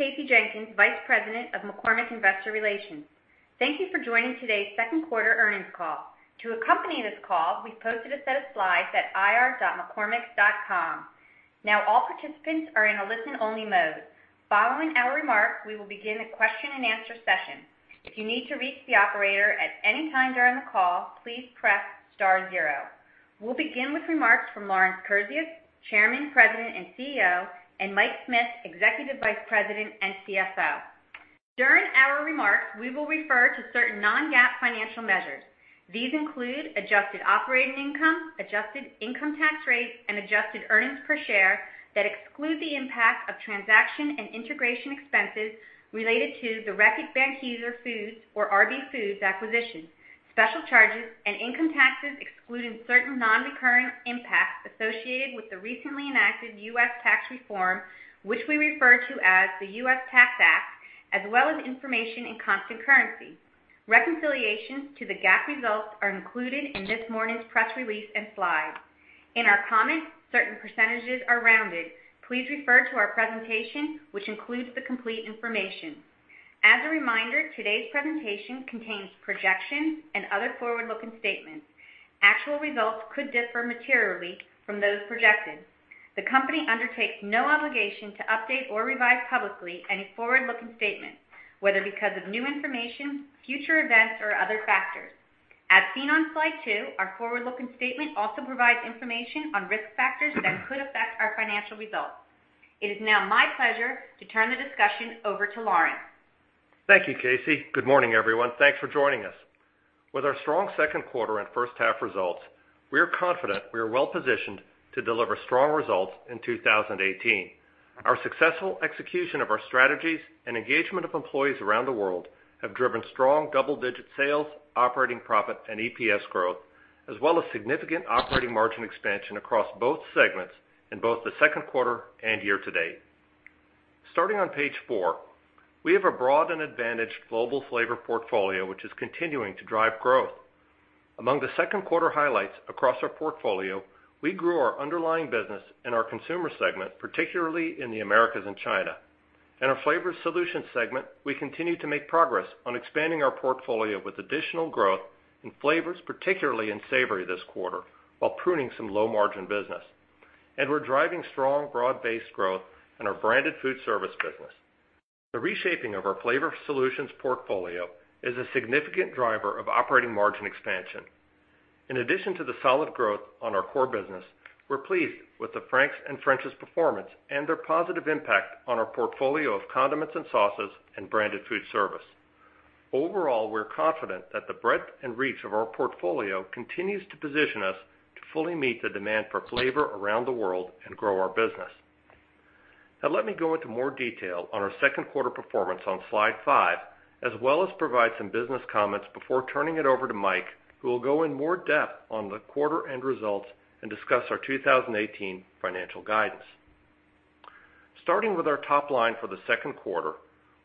Good morning. This is Kasey Jenkins, Vice President of McCormick Investor Relations. Thank you for joining today's second quarter earnings call. To accompany this call, we've posted a set of slides at ir.mccormick.com. All participants are in a listen-only mode. Following our remarks, we will begin a question and answer session. If you need to reach the operator at any time during the call, please press star zero. We will begin with remarks from Lawrence Kurzius, Chairman, President, and CEO, and Mike Smith, Executive Vice President and CFO. During our remarks, we will refer to certain non-GAAP financial measures. These include adjusted operating income, adjusted income tax rate, and adjusted earnings per share that exclude the impact of transaction and integration expenses related to the Reckitt Benckiser Foods or RB Foods acquisition, special charges and income taxes excluding certain non-recurring impacts associated with the recently enacted U.S. tax reform, which we refer to as the US Tax Act, as well as information in constant currency. Reconciliations to the GAAP results are included in this morning's press release and slides. In our comments, certain percentages are rounded. Please refer to our presentation, which includes the complete information. As a reminder, today's presentation contains projections and other forward-looking statements. Actual results could differ materially from those projected. The company undertakes no obligation to update or revise publicly any forward-looking statements, whether because of new information, future events, or other factors. As seen on slide two, our forward-looking statement also provides information on risk factors that could affect our financial results. It is now my pleasure to turn the discussion over to Lawrence. Thank you, Kasey. Good morning, everyone. Thanks for joining us. With our strong second quarter and first half results, we are confident we are well-positioned to deliver strong results in 2018. Our successful execution of our strategies and engagement of employees around the world have driven strong double-digit sales, operating profit, and EPS growth, as well as significant operating margin expansion across both segments in both the second quarter and year to date. Starting on page four, we have a broad and advantaged global flavor portfolio, which is continuing to drive growth. Among the second quarter highlights across our portfolio, we grew our underlying business in our consumer segment, particularly in the Americas and China. In our Flavor Solutions segment, we continue to make progress on expanding our portfolio with additional growth in flavors, particularly in savory this quarter, while pruning some low margin business. We're driving strong broad-based growth in our branded foodservice business. The reshaping of our Flavor Solutions portfolio is a significant driver of operating margin expansion. In addition to the solid growth on our core business, we're pleased with the Frank's and French's performance and their positive impact on our portfolio of condiments and sauces and branded foodservice. Overall, we're confident that the breadth and reach of our portfolio continues to position us to fully meet the demand for flavor around the world and grow our business. Let me go into more detail on our second quarter performance on slide five, as well as provide some business comments before turning it over to Mike, who will go in more depth on the quarter end results and discuss our 2018 financial guidance. Starting with our top-line for the second quarter,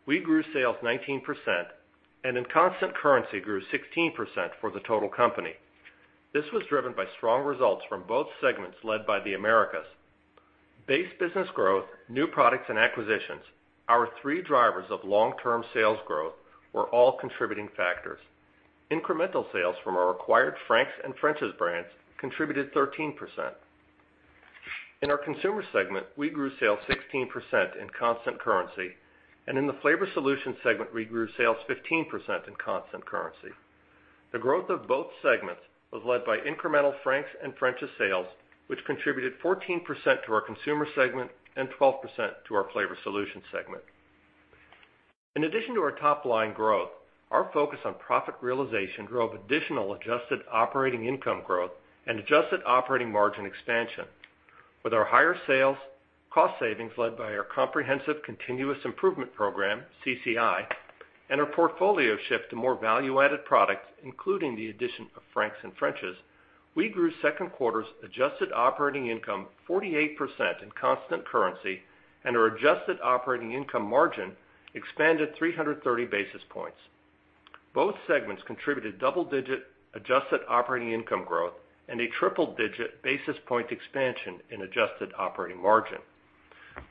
we grew sales 19% and in constant currency grew 16% for the total company. This was driven by strong results from both segments led by the Americas. Base business growth, new products, and acquisitions, our three drivers of long-term sales growth, were all contributing factors. Incremental sales from our acquired Frank's and French's brands contributed 13%. In our consumer segment, we grew sales 16% in constant currency, and in the Flavor Solutions segment, we grew sales 15% in constant currency. The growth of both segments was led by incremental Frank's and French's sales, which contributed 14% to our consumer segment and 12% to our Flavor Solutions segment. In addition to our top-line growth, our focus on profit realization drove additional adjusted operating income growth and adjusted operating margin expansion. With our higher sales, cost savings led by our comprehensive continuous improvement program, CCI, and our portfolio shift to more value-added products, including the addition of Frank's and French's, we grew second quarter's adjusted operating income 48% in constant currency, and our adjusted operating income margin expanded 330 basis points. Both segments contributed double-digit adjusted operating income growth and a triple-digit basis point expansion in adjusted operating margin.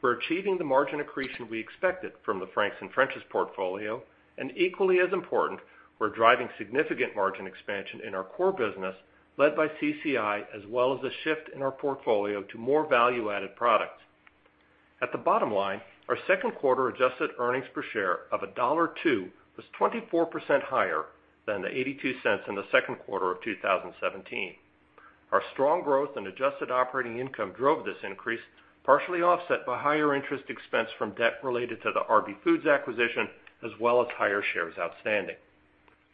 We're achieving the margin accretion we expected from the Frank's and French's portfolio, and equally as important, we're driving significant margin expansion in our core business led by CCI, as well as a shift in our portfolio to more value-added products. At the bottom-line, our second quarter adjusted earnings per share of $1.02 was 24% higher than the $0.82 in the second quarter of 2017. Our strong growth in adjusted operating income drove this increase, partially offset by higher interest expense from debt related to the RB Foods acquisition, as well as higher shares outstanding.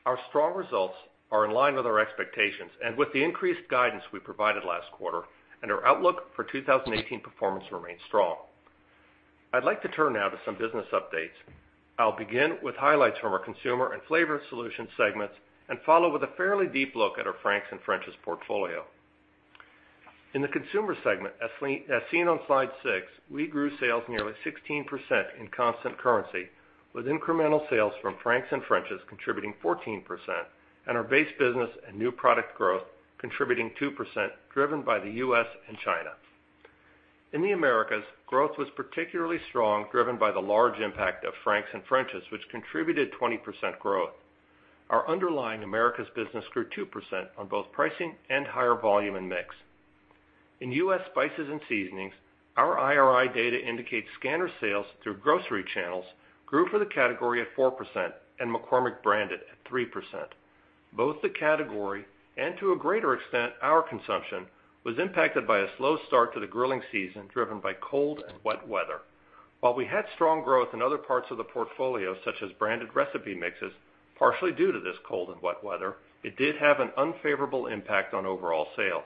Our strong results are in line with our expectations and with the increased guidance we provided last quarter, and our outlook for 2018 performance remains strong. I'd like to turn now to some business updates. I'll begin with highlights from our Consumer and Flavor Solutions segments and follow with a fairly deep look at our Frank's and French's portfolio. In the Consumer segment, as seen on slide six, we grew sales nearly 16% in constant currency, with incremental sales from Frank's and French's contributing 14% and our base business and new product growth contributing 2%, driven by the U.S. and China. In the Americas, growth was particularly strong, driven by the large impact of Frank's and French's, which contributed 20% growth. Our underlying Americas business grew 2% on both pricing and higher volume and mix. In U.S. spices and seasonings, our IRI data indicates scanner sales through grocery channels grew for the category at 4%, and McCormick branded at 3%. Both the category, and to a greater extent, our consumption, was impacted by a slow start to the grilling season, driven by cold and wet weather. While we had strong growth in other parts of the portfolio, such as branded recipe mixes, partially due to this cold and wet weather, it did have an unfavorable impact on overall sales.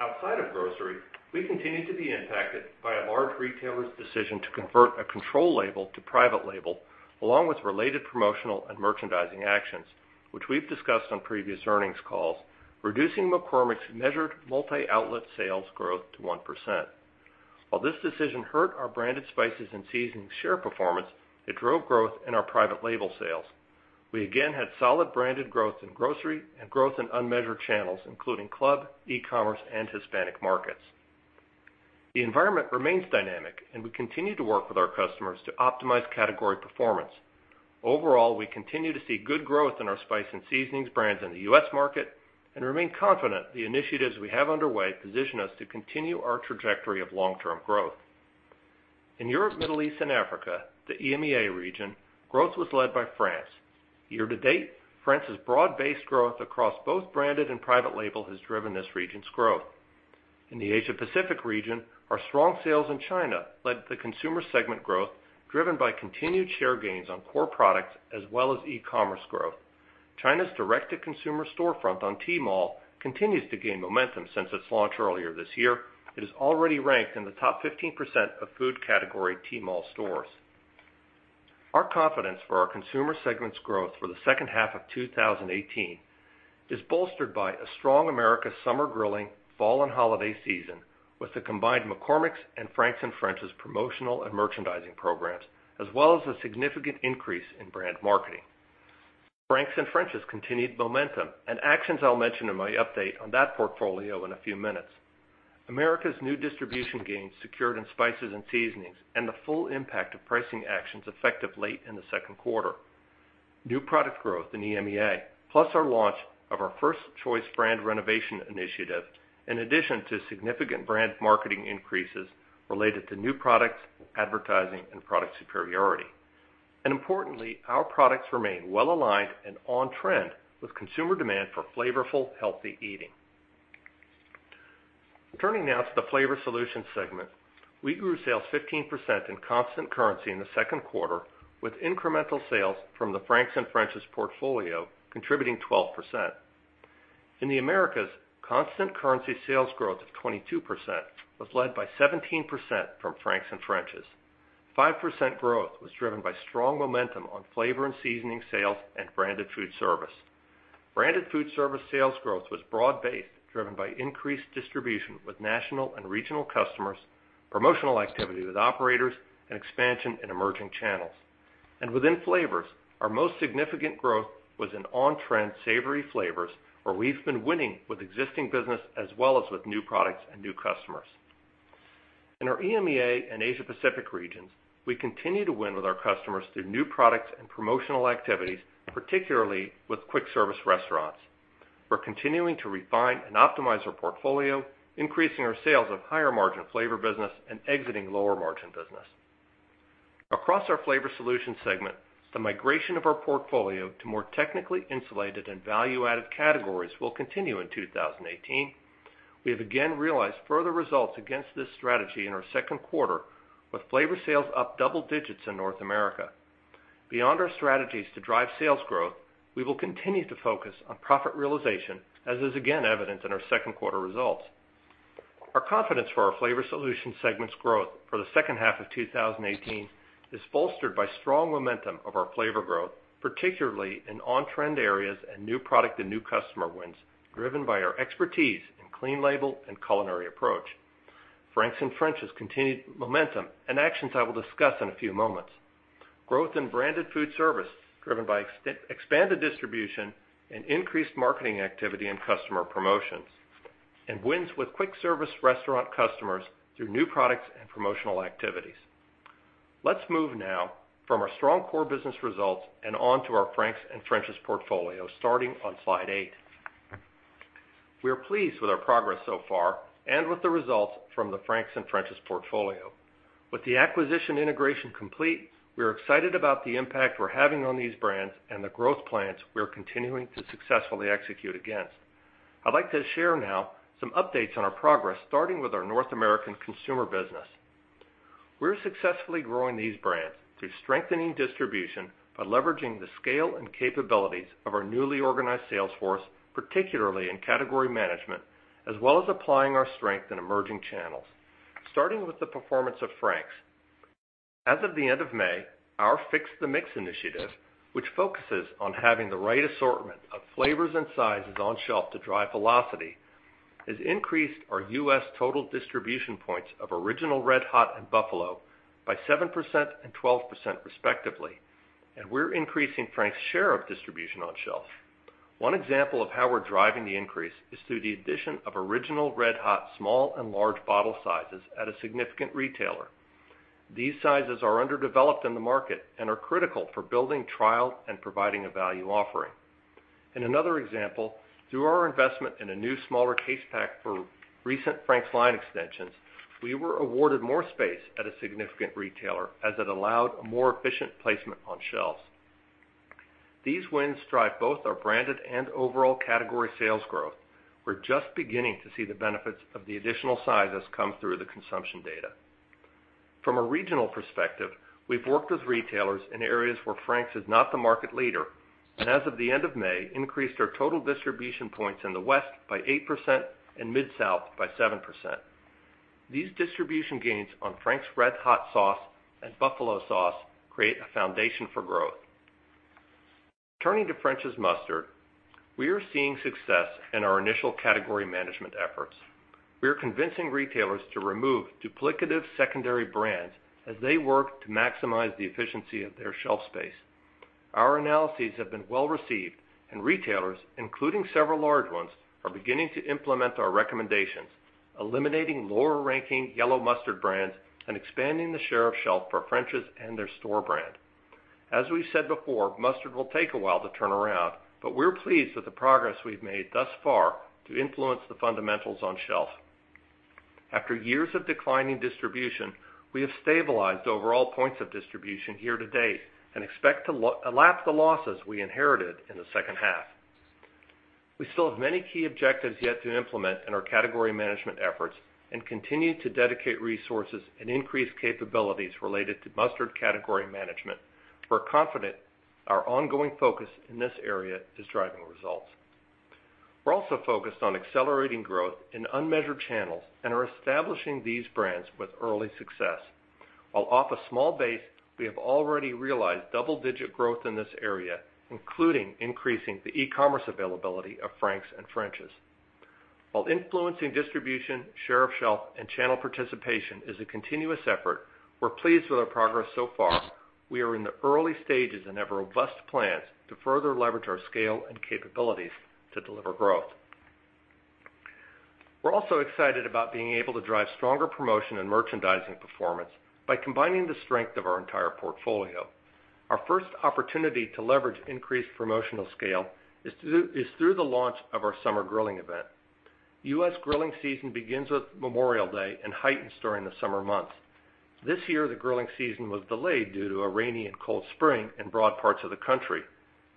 Outside of grocery, we continue to be impacted by a large retailer's decision to convert a control label to private label, along with related promotional and merchandising actions, which we've discussed on previous earnings calls, reducing McCormick's measured multi-outlet sales growth to 1%. While this decision hurt our branded spices and seasonings share performance, it drove growth in our private label sales. We again had solid branded growth in grocery and growth in unmeasured channels, including club, e-commerce, and Hispanic markets. The environment remains dynamic, and we continue to work with our customers to optimize category performance. Overall, we continue to see good growth in our spice and seasonings brands in the U.S. market and remain confident the initiatives we have underway position us to continue our trajectory of long-term growth. In Europe, Middle East, and Africa, the EMEA region, growth was led by France. Year to date, France's broad-based growth across both branded and private label has driven this region's growth. In the Asia-Pacific region, our strong sales in China led the consumer segment growth, driven by continued share gains on core products as well as e-commerce growth. China's direct-to-consumer storefront on Tmall continues to gain momentum since its launch earlier this year. It is already ranked in the top 15% of food category Tmall stores. Our confidence for our consumer segment's growth for the second half of 2018 is bolstered by a strong Americas summer grilling, fall, and holiday season, with the combined McCormick's and Frank's and French's promotional and merchandising programs, as well as a significant increase in brand marketing. Frank's and French's continued momentum and actions I'll mention in my update on that portfolio in a few minutes. Americas' new distribution gains secured in spices and seasonings and the full impact of pricing actions effective late in the second quarter. New product growth in EMEA, plus our launch of our First Choice brand renovation initiative, in addition to significant brand marketing increases related to new products, advertising, and product superiority. Importantly, our products remain well-aligned and on-trend with consumer demand for flavorful, healthy eating. Turning now to the Flavor Solutions segment. We grew sales 15% in constant currency in the second quarter, with incremental sales from the Frank's and French's portfolio contributing 12%. In the Americas, constant currency sales growth of 22% was led by 17% from Frank's and French's. 5% growth was driven by strong momentum on flavor and seasoning sales and branded food service. Branded food service sales growth was broad-based, driven by increased distribution with national and regional customers, promotional activity with operators, and expansion in emerging channels. Within flavors, our most significant growth was in on-trend savory flavors, where we've been winning with existing business as well as with new products and new customers. In our EMEA and Asia-Pacific regions, we continue to win with our customers through new products and promotional activities, particularly with quick service restaurants. We're continuing to refine and optimize our portfolio, increasing our sales of higher margin flavor business and exiting lower margin business. Across our Flavor Solutions segment, the migration of our portfolio to more technically insulated and value-added categories will continue in 2018. We have again realized further results against this strategy in our second quarter with flavor sales up double digits in North America. Beyond our strategies to drive sales growth, we will continue to focus on profit realization, as is again evident in our second quarter results. Our confidence for our Flavor Solutions segment's growth for the second half of 2018 is bolstered by strong momentum of our flavor growth, particularly in on-trend areas and new product and new customer wins, driven by our expertise in clean label and culinary approach. Frank's and French's continued momentum and actions I will discuss in a few moments. Growth in branded food service, driven by expanded distribution and increased marketing activity and customer promotions. Wins with quick service restaurant customers through new products and promotional activities. Let's move now from our strong core business results and onto our Frank's and French's portfolio, starting on slide eight. We are pleased with our progress so far and with the results from the Frank's and French's portfolio. With the acquisition integration complete, we are excited about the impact we're having on these brands and the growth plans we are continuing to successfully execute against. I'd like to share now some updates on our progress, starting with our North American consumer business. We're successfully growing these brands through strengthening distribution by leveraging the scale and capabilities of our newly organized sales force, particularly in category management, as well as applying our strength in emerging channels. Starting with the performance of Frank's. As of the end of May, our Fix the Mix initiative, which focuses on having the right assortment of flavors and sizes on shelf to drive velocity, has increased our U.S. total distribution points of original, RedHot, and Buffalo by 7% and 12% respectively, and we're increasing Frank's share of distribution on shelf. One example of how we're driving the increase is through the addition of original, RedHot small and large bottle sizes at a significant retailer. These sizes are underdeveloped in the market and are critical for building trial and providing a value offering. In another example, through our investment in a new smaller case pack for recent Frank's line extensions, we were awarded more space at a significant retailer as it allowed a more efficient placement on shelves. These wins drive both our branded and overall category sales growth. We're just beginning to see the benefits of the additional sizes come through the consumption data. From a regional perspective, we've worked with retailers in areas where Frank's is not the market leader, and as of the end of May, increased our total distribution points in the West by 8% and Mid-South by 7%. These distribution gains on Frank's RedHot sauce and Buffalo sauce create a foundation for growth. Turning to French's Mustard, we are seeing success in our initial category management efforts. We are convincing retailers to remove duplicative secondary brands as they work to maximize the efficiency of their shelf space. Our analyses have been well-received, and retailers, including several large ones, are beginning to implement our recommendations, eliminating lower-ranking yellow mustard brands and expanding the share of shelf for French's and their store brand. As we've said before, mustard will take a while to turn around, but we're pleased with the progress we've made thus far to influence the fundamentals on shelf. After years of declining distribution, we have stabilized overall points of distribution here to date and expect to lapse the losses we inherited in the second half. We still have many key objectives yet to implement in our category management efforts and continue to dedicate resources and increase capabilities related to mustard category management. We're confident our ongoing focus in this area is driving results. We're also focused on accelerating growth in unmeasured channels and are establishing these brands with early success. While off a small base, we have already realized double-digit growth in this area, including increasing the e-commerce availability of Frank's and French's. While influencing distribution, share of shelf, and channel participation is a continuous effort, we're pleased with our progress so far. We are in the early stages and have robust plans to further leverage our scale and capabilities to deliver growth. We're also excited about being able to drive stronger promotion and merchandising performance by combining the strength of our entire portfolio. Our first opportunity to leverage increased promotional scale is through the launch of our summer grilling event. U.S. grilling season begins with Memorial Day and heightens during the summer months. This year, the grilling season was delayed due to a rainy and cold spring in broad parts of the country.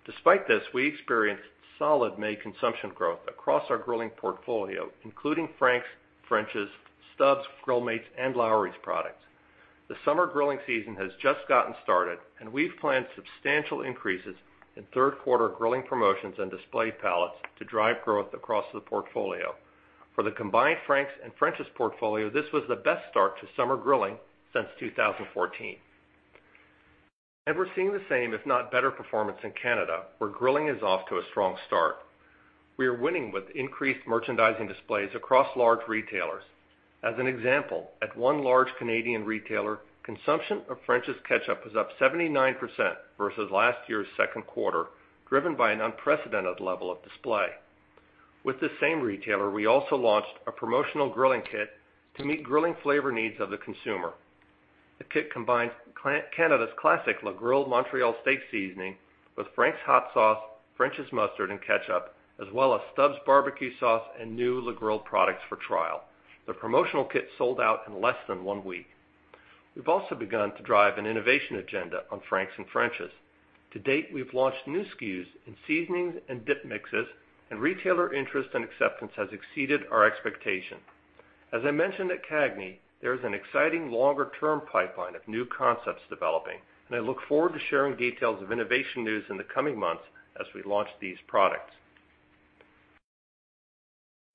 Despite this, we experienced solid May consumption growth across our grilling portfolio, including Frank's, French's, Stubb's, Grill Mates, and Lawry's products. The summer grilling season has just gotten started, and we've planned substantial increases in third quarter grilling promotions and display palettes to drive growth across the portfolio. For the combined Frank's and French's portfolio, this was the best start to summer grilling since 2014. We're seeing the same, if not better performance in Canada, where grilling is off to a strong start. We are winning with increased merchandising displays across large retailers. As an example, at one large Canadian retailer, consumption of French's Ketchup is up 79% versus last year's second quarter, driven by an unprecedented level of display. With this same retailer, we also launched a promotional grilling kit to meet grilling flavor needs of the consumer. The kit combines Canada's classic La Grille Montreal Steak Seasoning with Frank's Hot Sauce, French's Mustard and Ketchup, as well as Stubb's barbecue sauce and new La Grille products for trial. The promotional kit sold out in less than one week. We've also begun to drive an innovation agenda on Frank's and French's. To date, we've launched new SKUs in seasonings and dip mixes, and retailer interest and acceptance has exceeded our expectation. As I mentioned at CAGNY, there is an exciting longer-term pipeline of new concepts developing, and I look forward to sharing details of innovation news in the coming months as we launch these products.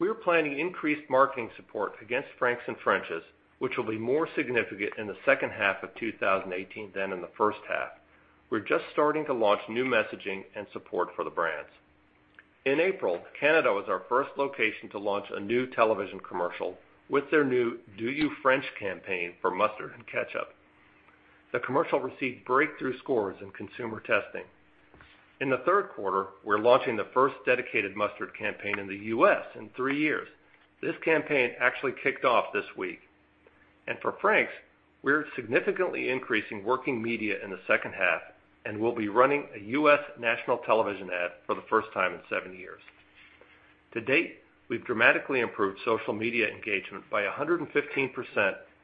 We are planning increased marketing support against Frank's and French's, which will be more significant in the second half of 2018 than in the first half. We're just starting to launch new messaging and support for the brands. In April, Canada was our first location to launch a new television commercial with their new Do You French's campaign for mustard and ketchup. The commercial received breakthrough scores in consumer testing. In the third quarter, we're launching the first dedicated mustard campaign in the U.S. in three years. This campaign actually kicked off this week. For Frank's, we're significantly increasing working media in the second half and will be running a U.S. national television ad for the first time in seven years. To date, we've dramatically improved social media engagement by 115%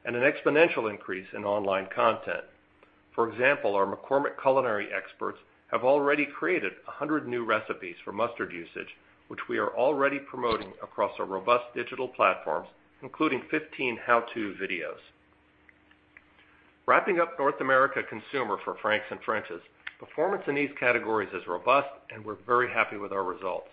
and an exponential increase in online content. For example, our McCormick culinary experts have already created 100 new recipes for mustard usage, which we are already promoting across our robust digital platforms, including 15 how-to videos. Wrapping up North America Consumer for Frank's and French's, performance in these categories is robust, and we're very happy with our results.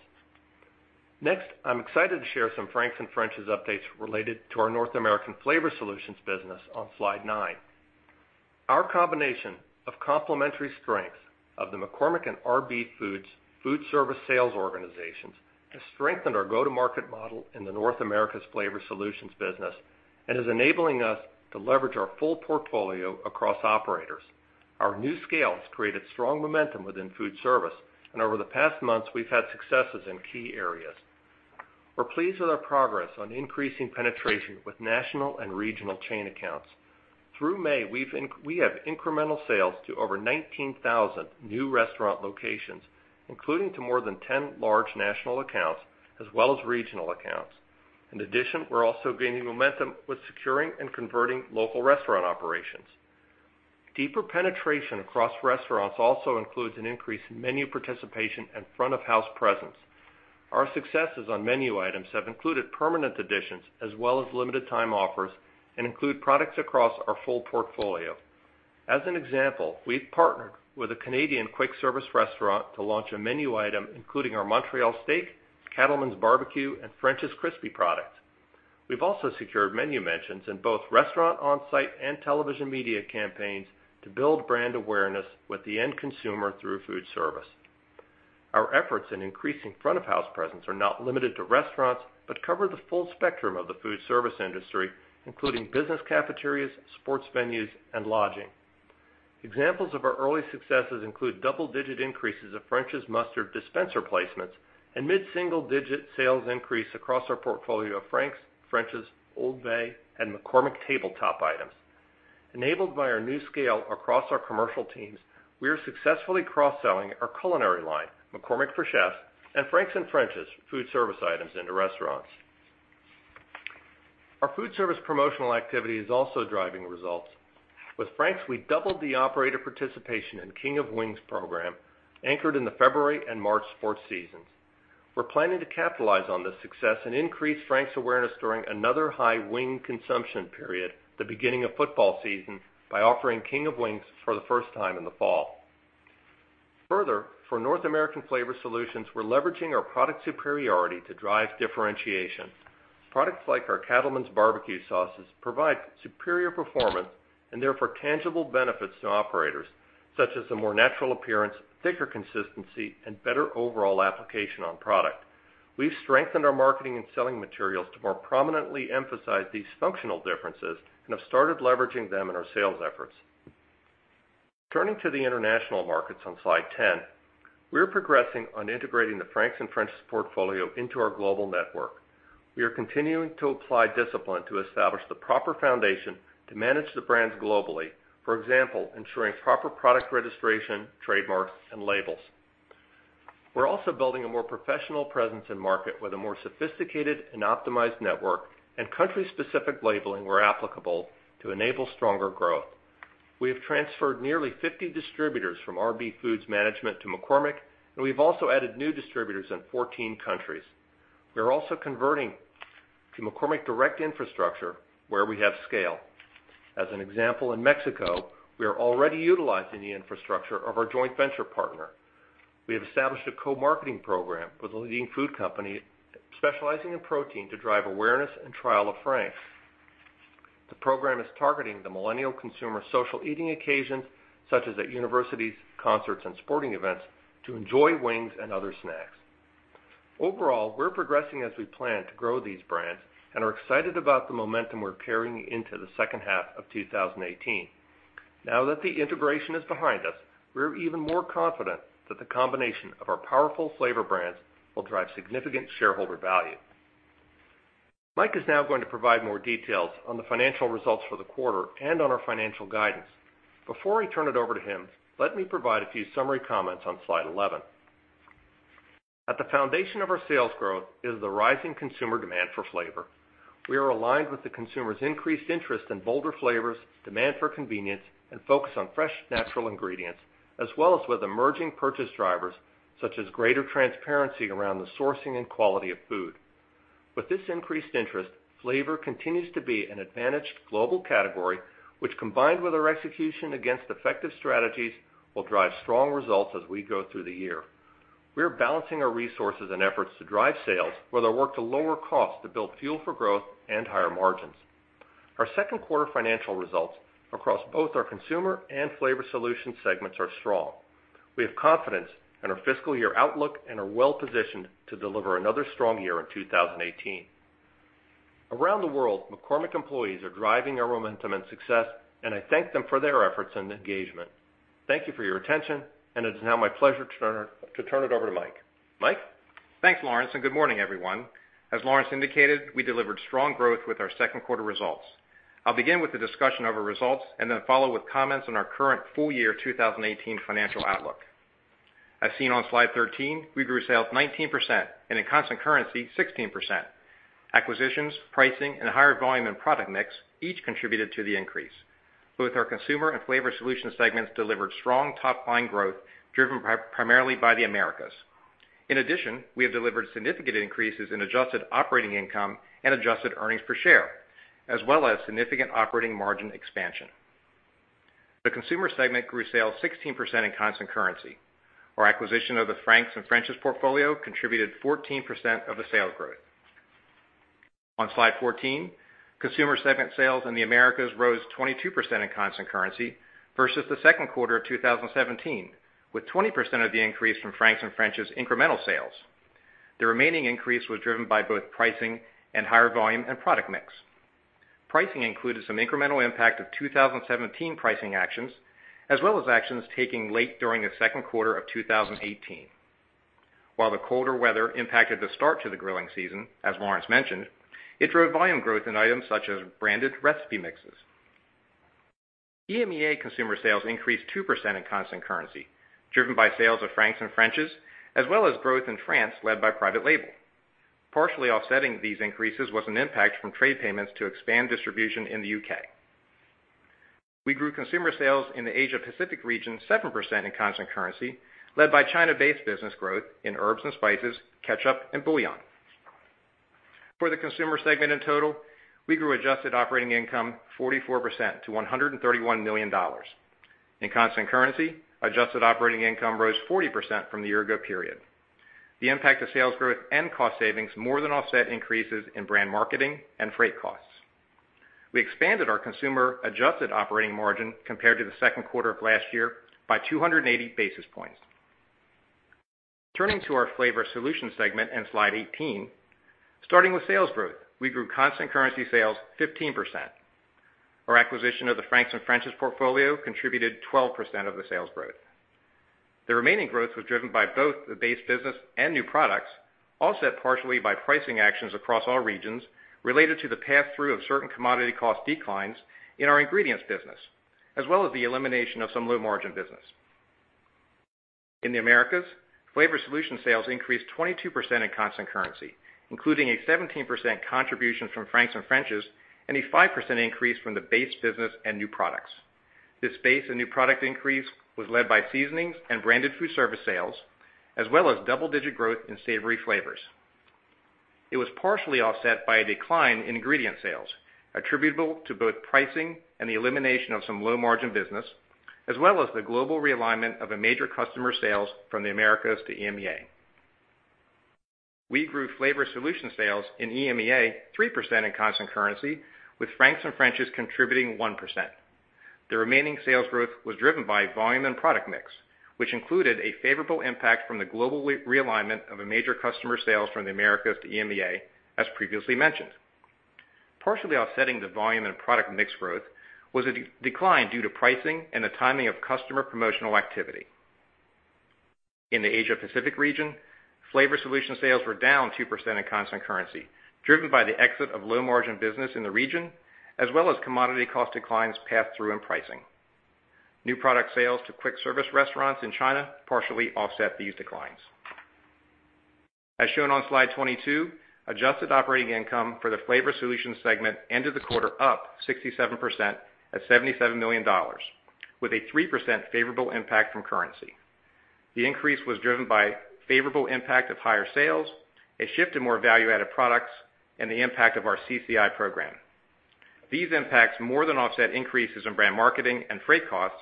I'm excited to share some Frank's and French's updates related to our North American Flavor Solutions business on slide nine. Our combination of complementary strengths of the McCormick and RB Foods food service sales organizations has strengthened our go-to-market model in the North American Flavor Solutions business and is enabling us to leverage our full portfolio across operators. Our new scale has created strong momentum within food service, and over the past months, we've had successes in key areas. We're pleased with our progress on increasing penetration with national and regional chain accounts. Through May, we have incremental sales to over 19,000 new restaurant locations, including to more than 10 large national accounts as well as regional accounts. In addition, we're also gaining momentum with securing and converting local restaurant operations. Deeper penetration across restaurants also includes an increase in menu participation and front-of-house presence. Our successes on menu items have included permanent additions as well as limited time offers, and include products across our full portfolio. As an example, we've partnered with a Canadian quick service restaurant to launch a menu item, including our Montreal Steak, Cattlemen's BBQ, and French's Crispy product. We've also secured menu mentions in both restaurant on-site and television media campaigns to build brand awareness with the end consumer through food service. Our efforts in increasing front-of-house presence are not limited to restaurants, but cover the full spectrum of the food service industry, including business cafeterias, sports venues, and lodging. Examples of our early successes include double-digit increases of French's Mustard dispenser placements and mid-single-digit sales increase across our portfolio of Frank's, French's, Old Bay, and McCormick tabletop items. Enabled by our new scale across our commercial teams, we are successfully cross-selling our culinary line, McCormick For Chefs, and Frank's and French's food service items into restaurants. Our food service promotional activity is also driving results. With Frank's, we doubled the operator participation in King of Wings program, anchored in the February and March sports seasons. We are planning to capitalize on this success and increase Frank's awareness during another high wing consumption period, the beginning of football season, by offering King of Wings for the first time in the fall. Further, for North American flavor solutions, we are leveraging our product superiority to drive differentiation. Products like our Cattlemen's BBQ sauces provide superior performance and therefore tangible benefits to operators, such as a more natural appearance, thicker consistency, and better overall application on product. We have strengthened our marketing and selling materials to more prominently emphasize these functional differences and have started leveraging them in our sales efforts. Turning to the international markets on slide 10, we are progressing on integrating the Frank's and French's portfolio into our global network. We are continuing to apply discipline to establish the proper foundation to manage the brands globally. For example, ensuring proper product registration, trademarks, and labels. We are also building a more professional presence in market with a more sophisticated and optimized network and country-specific labeling where applicable to enable stronger growth. We have transferred nearly 50 distributors from RB Foods management to McCormick, and we have also added new distributors in 14 countries. We are also converting to McCormick direct infrastructure where we have scale. As an example, in Mexico, we are already utilizing the infrastructure of our joint venture partner. We have established a co-marketing program with a leading food company specializing in protein to drive awareness and trial of Frank's. The program is targeting the millennial consumer social eating occasions, such as at universities, concerts, and sporting events, to enjoy wings and other snacks. Overall, we are progressing as we plan to grow these brands and are excited about the momentum we are carrying into the second half of 2018. Now that the integration is behind us, we are even more confident that the combination of our powerful flavor brands will drive significant shareholder value. Mike is now going to provide more details on the financial results for the quarter and on our financial guidance. Before I turn it over to him, let me provide a few summary comments on slide 11. At the foundation of our sales growth is the rising consumer demand for flavor. We are aligned with the consumer's increased interest in bolder flavors, demand for convenience, and focus on fresh, natural ingredients, as well as with emerging purchase drivers, such as greater transparency around the sourcing and quality of food. With this increased interest, flavor continues to be an advantaged global category, which combined with our execution against effective strategies, will drive strong results as we go through the year. We are balancing our resources and efforts to drive sales with our work to lower costs to build fuel for growth and higher margins. Our second quarter financial results across both our consumer and flavor solution segments are strong. We have confidence in our fiscal year outlook and are well positioned to deliver another strong year in 2018. Around the world, McCormick employees are driving our momentum and success, and I thank them for their efforts and engagement. Thank you for your attention, and it is now my pleasure to turn it over to Mike. Mike? Thanks, Lawrence, and good morning, everyone. As Lawrence indicated, we delivered strong growth with our second quarter results. I'll begin with a discussion of our results and then follow with comments on our current full year 2018 financial outlook. As seen on slide 13, we grew sales 19%, and in constant currency, 16%. Acquisitions, pricing, and higher volume and product mix each contributed to the increase. Both our Consumer and Flavor Solutions segments delivered strong top-line growth, driven primarily by the Americas. In addition, we have delivered significant increases in adjusted operating income and adjusted earnings per share, as well as significant operating margin expansion. The Consumer segment grew sales 16% in constant currency. Our acquisition of the Frank's and French's portfolio contributed 14% of the sales growth. On slide 14, Consumer segment sales in the Americas rose 22% in constant currency versus the second quarter of 2017, with 20% of the increase from Frank's and French's incremental sales. The remaining increase was driven by both pricing and higher volume and product mix. Pricing included some incremental impact of 2017 pricing actions, as well as actions taking late during the second quarter of 2018. While the colder weather impacted the start to the grilling season, as Lawrence mentioned, it drove volume growth in items such as branded recipe mixes. EMEA Consumer sales increased 2% in constant currency, driven by sales of Frank's and French's, as well as growth in France led by private label. Partially offsetting these increases was an impact from trade payments to expand distribution in the U.K. We grew Consumer sales in the Asia Pacific region 7% in constant currency, led by China-based business growth in herbs and spices, ketchup, and bouillon. For the Consumer segment in total, we grew adjusted operating income 44% to $131 million. In constant currency, adjusted operating income rose 40% from the year ago period. The impact of sales growth and cost savings more than offset increases in brand marketing and freight costs. We expanded our Consumer-adjusted operating margin compared to the second quarter of last year by 280 basis points. Turning to our Flavor Solutions segment on slide 18, starting with sales growth, we grew constant currency sales 15%. Our acquisition of the Frank's and French's portfolio contributed 12% of the sales growth. The remaining growth was driven by both the base business and new products, offset partially by pricing actions across all regions related to the pass-through of certain commodity cost declines in our ingredients business, as well as the elimination of some low margin business. In the Americas, Flavor Solutions sales increased 22% in constant currency, including a 17% contribution from Frank's and French's and a 5% increase from the base business and new products. This base and new product increase was led by seasonings and branded Foodservice sales, as well as double-digit growth in savory flavors. It was partially offset by a decline in ingredient sales attributable to both pricing and the elimination of some low margin business, as well as the global realignment of a major customer sales from the Americas to EMEA. We grew flavor solution sales in EMEA 3% in constant currency, with Frank's and French's contributing 1%. The remaining sales growth was driven by volume and product mix, which included a favorable impact from the global realignment of a major customer sales from the Americas to EMEA, as previously mentioned. Partially offsetting the volume and product mix growth was a decline due to pricing and the timing of customer promotional activity. In the Asia Pacific region, flavor solution sales were down 2% in constant currency, driven by the exit of low margin business in the region, as well as commodity cost declines passed through in pricing. New product sales to quick service restaurants in China partially offset these declines. As shown on slide 22, adjusted operating income for the flavor solutions segment ended the quarter up 67% at $77 million, with a 3% favorable impact from currency. The increase was driven by favorable impact of higher sales, a shift to more value-added products, and the impact of our CCI program. These impacts more than offset increases in brand marketing and freight costs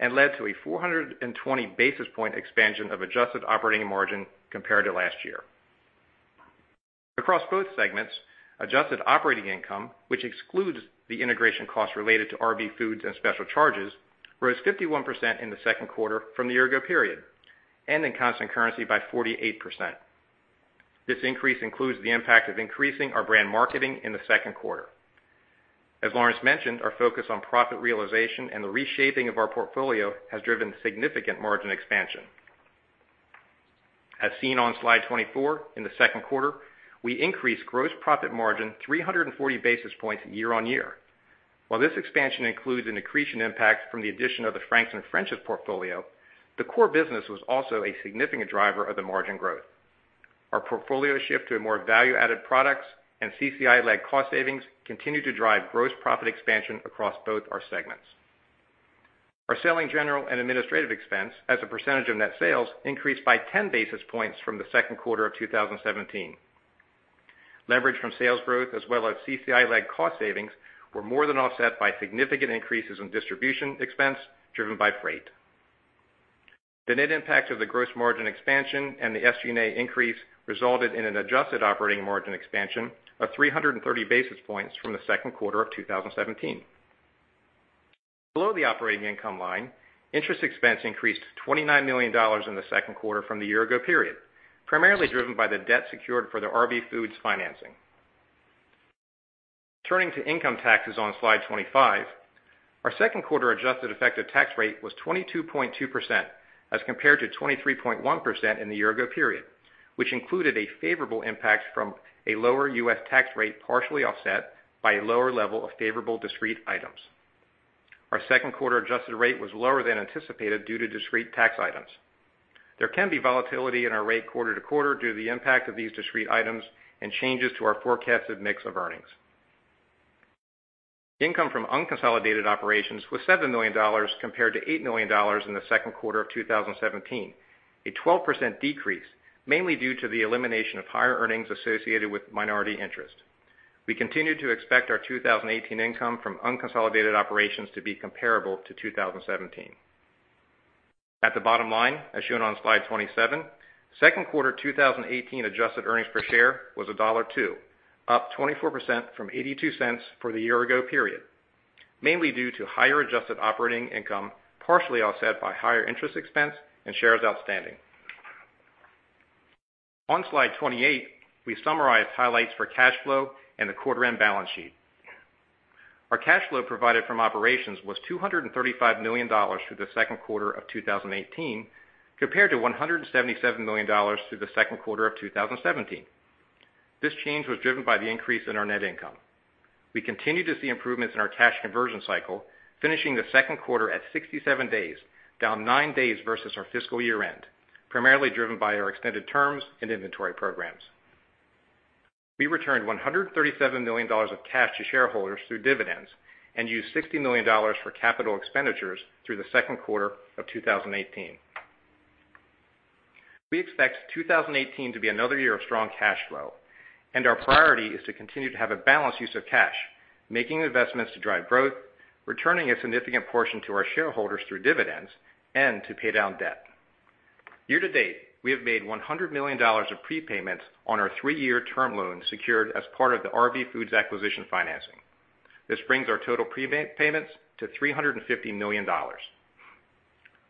and led to a 420 basis point expansion of adjusted operating margin compared to last year. Across both segments, adjusted operating income, which excludes the integration costs related to RB Foods and special charges, rose 51% in the second quarter from the year ago period and in constant currency by 48%. This increase includes the impact of increasing our brand marketing in the second quarter. As Lawrence mentioned, our focus on profit realization and the reshaping of our portfolio has driven significant margin expansion. As seen on slide 24, in the second quarter, we increased gross profit margin 340 basis points year-on-year. While this expansion includes an accretion impact from the addition of the Frank's and French's portfolio, the core business was also a significant driver of the margin growth. Our portfolio shift to more value-added products and CCI-led cost savings continue to drive gross profit expansion across both our segments. Our selling general and administrative expense as a percentage of net sales increased by 10 basis points from the second quarter of 2017. Leverage from sales growth as well as CCI-led cost savings were more than offset by significant increases in distribution expense driven by freight. The net impact of the gross margin expansion and the SG&A increase resulted in an adjusted operating margin expansion of 330 basis points from the second quarter of 2017. Below the operating income line, interest expense increased to $29 million in the second quarter from the year ago period, primarily driven by the debt secured for the RB Foods financing. Turning to income taxes on slide 25, our second quarter adjusted effective tax rate was 22.2% as compared to 23.1% in the year ago period, which included a favorable impact from a lower U.S. tax rate, partially offset by a lower level of favorable discrete items. Our second quarter adjusted rate was lower than anticipated due to discrete tax items. There can be volatility in our rate quarter-to-quarter due to the impact of these discrete items and changes to our forecasted mix of earnings. Income from unconsolidated operations was $7 million compared to $8 million in the second quarter of 2017, a 12% decrease, mainly due to the elimination of higher earnings associated with minority interest. We continue to expect our 2018 income from unconsolidated operations to be comparable to 2017. At the bottom line, as shown on slide 27, second quarter 2018 adjusted earnings per share was $1.02, up 24% from $0.82 for the year ago period. Mainly due to higher adjusted operating income, partially offset by higher interest expense and shares outstanding. On slide 28, we summarize highlights for cash flow and the quarter end balance sheet. Our cash flow provided from operations was $235 million through the second quarter of 2018, compared to $177 million through the second quarter of 2017. This change was driven by the increase in our net income. We continue to see improvements in our cash conversion cycle, finishing the second quarter at 67 days, down nine days versus our fiscal year end, primarily driven by our extended terms and inventory programs. Our priority is to continue to have a balanced use of cash, making investments to drive growth, returning a significant portion to our shareholders through dividends, and to pay down debt. We returned $137 million of cash to shareholders through dividends and used $60 million for capital expenditures through the second quarter of 2018. We expect 2018 to be another year of strong cash flow. Year to date, we have made $100 million of prepayments on our three-year term loan secured as part of the RB Foods acquisition financing. This brings our total prepayments to $350 million.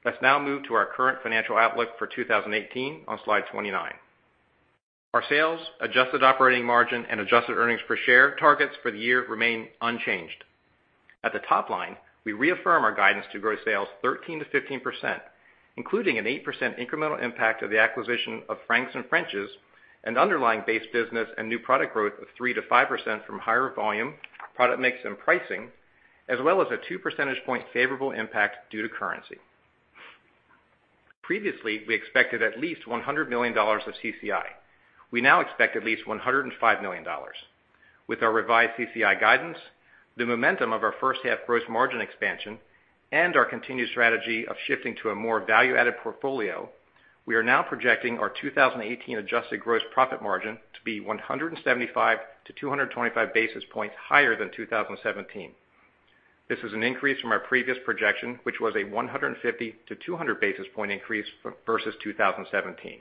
Let's now move to our current financial outlook for 2018 on slide 29. Our sales, adjusted operating margin, and adjusted earnings per share targets for the year remain unchanged. At the top line, we reaffirm our guidance to grow sales 13%-15%, including an 8% incremental impact of the acquisition of Frank's and French's, an underlying base business and new product growth of 3%-5% from higher volume, product mix, and pricing, as well as a two percentage point favorable impact due to currency. Previously, we expected at least $100 million of CCI. We now expect at least $105 million. With our revised CCI guidance, the momentum of our first half gross margin expansion, and our continued strategy of shifting to a more value-added portfolio, we are now projecting our 2018 adjusted gross profit margin to be 175-225 basis points higher than 2017. This is an increase from our previous projection, which was a 150-200 basis point increase versus 2017.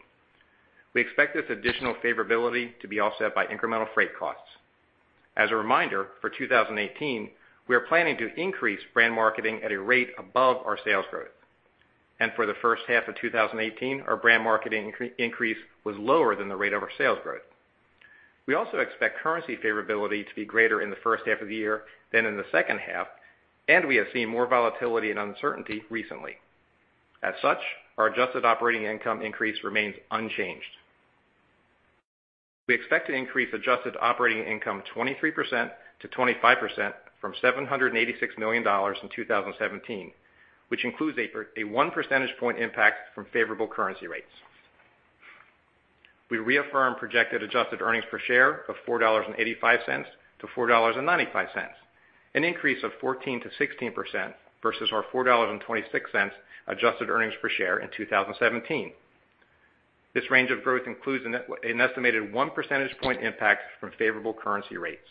We expect this additional favorability to be offset by incremental freight costs. As a reminder, for 2018, we are planning to increase brand marketing at a rate above our sales growth. For the first half of 2018, our brand marketing increase was lower than the rate of our sales growth. We also expect currency favorability to be greater in the first half of the year than in the second half. We have seen more volatility and uncertainty recently. As such, our adjusted operating income increase remains unchanged. We expect to increase adjusted operating income 23%-25% from $786 million in 2017, which includes a one percentage point impact from favorable currency rates. We reaffirm projected adjusted earnings per share of $4.85-$4.95, an increase of 14%-16% versus our $4.26 adjusted earnings per share in 2017. This range of growth includes an estimated one percentage point impact from favorable currency rates.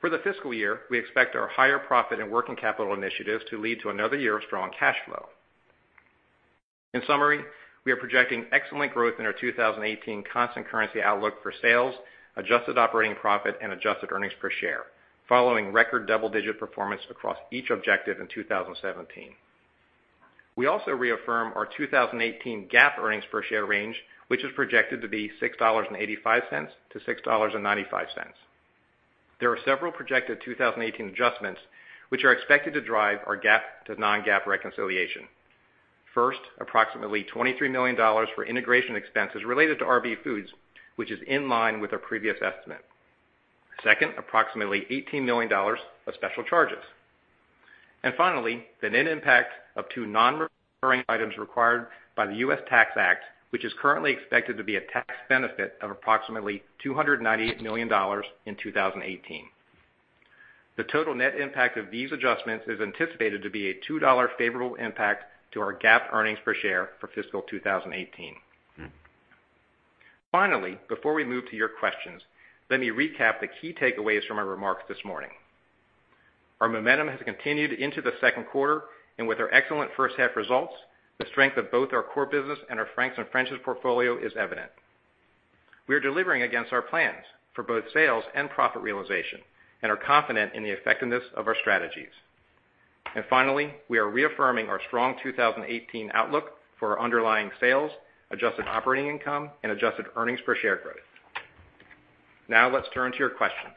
For the fiscal year, we expect our higher profit and working capital initiatives to lead to another year of strong cash flow. In summary, we are projecting excellent growth in our 2018 constant currency outlook for sales, adjusted operating profit, and adjusted earnings per share, following record double-digit performance across each objective in 2017. We also reaffirm our 2018 GAAP earnings per share range, which is projected to be $6.85 to $6.95. There are several projected 2018 adjustments which are expected to drive our GAAP to non-GAAP reconciliation. First, approximately $23 million for integration expenses related to RB Foods, which is in line with our previous estimate. Second, approximately $18 million of special charges. Finally, the net impact of two non-recurring items required by the U.S. Tax Act, which is currently expected to be a tax benefit of approximately $298 million in 2018. The total net impact of these adjustments is anticipated to be a $2 favorable impact to our GAAP earnings per share for fiscal 2018. Finally, before we move to your questions, let me recap the key takeaways from our remarks this morning. Our momentum has continued into the second quarter, and with our excellent first half results, the strength of both our core business and our Frank's and French's portfolio is evident. We are delivering against our plans for both sales and profit realization and are confident in the effectiveness of our strategies. Finally, we are reaffirming our strong 2018 outlook for our underlying sales, adjusted operating income, and adjusted earnings per share growth. Now let's turn to your questions.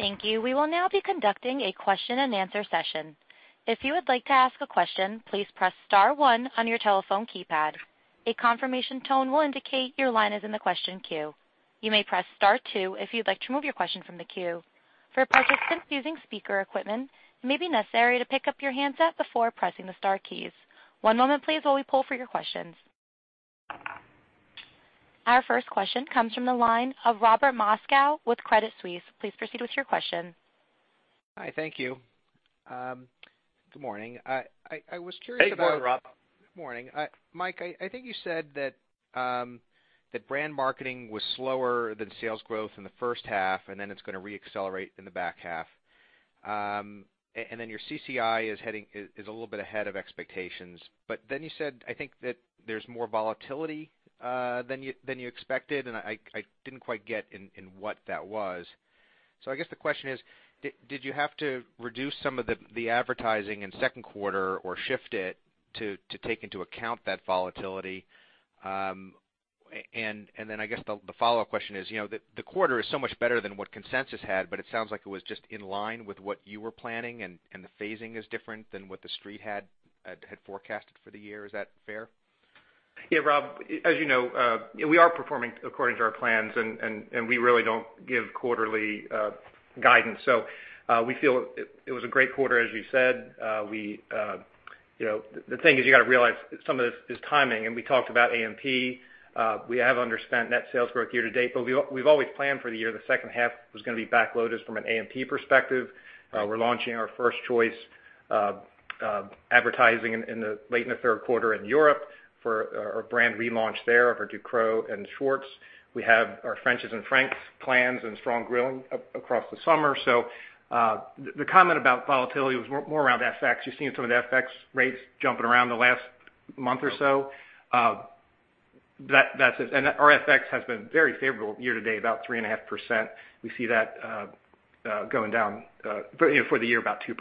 Thank you. We will now be conducting a question and answer session. If you would like to ask a question, please press *1 on your telephone keypad. A confirmation tone will indicate your line is in the question queue. You may press *2 if you'd like to remove your question from the queue. For participants using speaker equipment, it may be necessary to pick up your handset before pressing the star keys. One moment please while we poll for your questions. Our first question comes from the line of Robert Moskow with Credit Suisse. Please proceed with your question. Hi, thank you. Good morning. I was curious about- Hey, good morning, Rob. Good morning. Mike, I think you said that brand marketing was slower than sales growth in the first half, it's going to re-accelerate in the back half Your CCI is a little bit ahead of expectations. You said, I think, that there's more volatility than you expected, I didn't quite get in what that was. I guess the question is, did you have to reduce some of the advertising in second quarter or shift it to take into account that volatility? I guess the follow-up question is, the quarter is so much better than what consensus had, but it sounds like it was just in line with what you were planning, the phasing is different than what the Street had forecasted for the year. Is that fair? Yeah, Rob, as you know, we are performing according to our plans, we really don't give quarterly guidance. We feel it was a great quarter, as you said. The thing is, you got to realize some of this is timing. We talked about AMP. We have underspent net sales growth year to date, we've always planned for the year. The second half was going to be backloaded from an AMP perspective. We're launching our First Choice advertising late in the third quarter in Europe for our brand relaunch there of our Ducros and Schwartz. We have our French's and Frank's plans and strong grilling across the summer. The comment about volatility was more around FX. You've seen some of the FX rates jumping around the last month or so. That's it. Our FX has been very favorable year to date, about 3.5%. We see that going down for the year about 2%.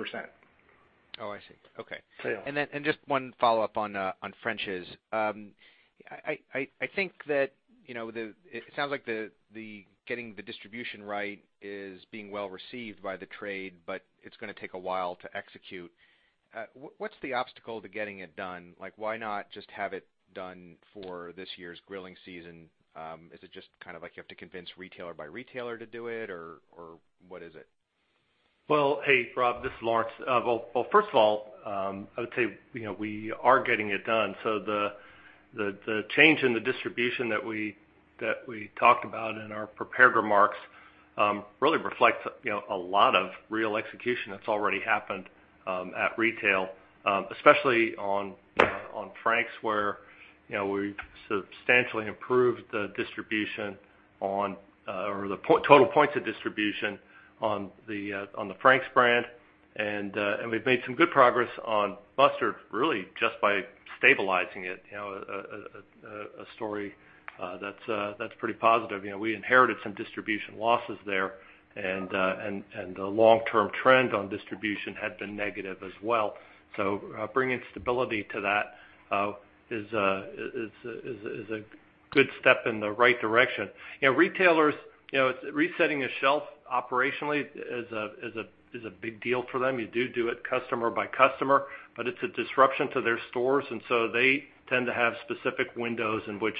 Oh, I see. Okay. Yeah. Just one follow-up on French's. I think that it sounds like getting the distribution right is being well received by the trade, but it's going to take a while to execute. What's the obstacle to getting it done? Why not just have it done for this year's grilling season? Is it just kind of like you have to convince retailer by retailer to do it, or what is it? Well, hey, Rob. This is Lawrence. Well, first of all, I would say we are getting it done. The change in the distribution that we talked about in our prepared remarks really reflects a lot of real execution that's already happened at retail. Especially on Frank's, where we've substantially improved the total points of distribution on the Frank's brand. We've made some good progress on mustard, really just by stabilizing it. A story that's pretty positive. We inherited some distribution losses there, the long-term trend on distribution had been negative as well. Bringing stability to that is a good step in the right direction. Resetting a shelf operationally is a big deal for them. You do it customer by customer, but it's a disruption to their stores, and so they tend to have specific windows in which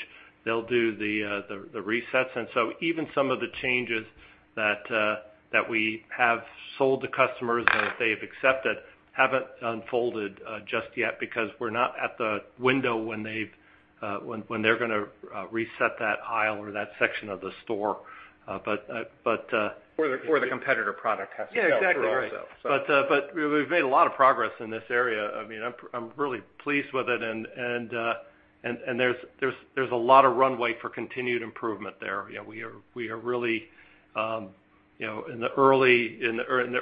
they'll do the resets. Even some of the changes that we have sold to customers and that they have accepted haven't unfolded just yet because we're not at the window when they're gonna reset that aisle or that section of the store. The competitor product has to go through ourselves. Yeah, exactly right. We've made a lot of progress in this area. I'm really pleased with it, and there's a lot of runway for continued improvement there. We are really in the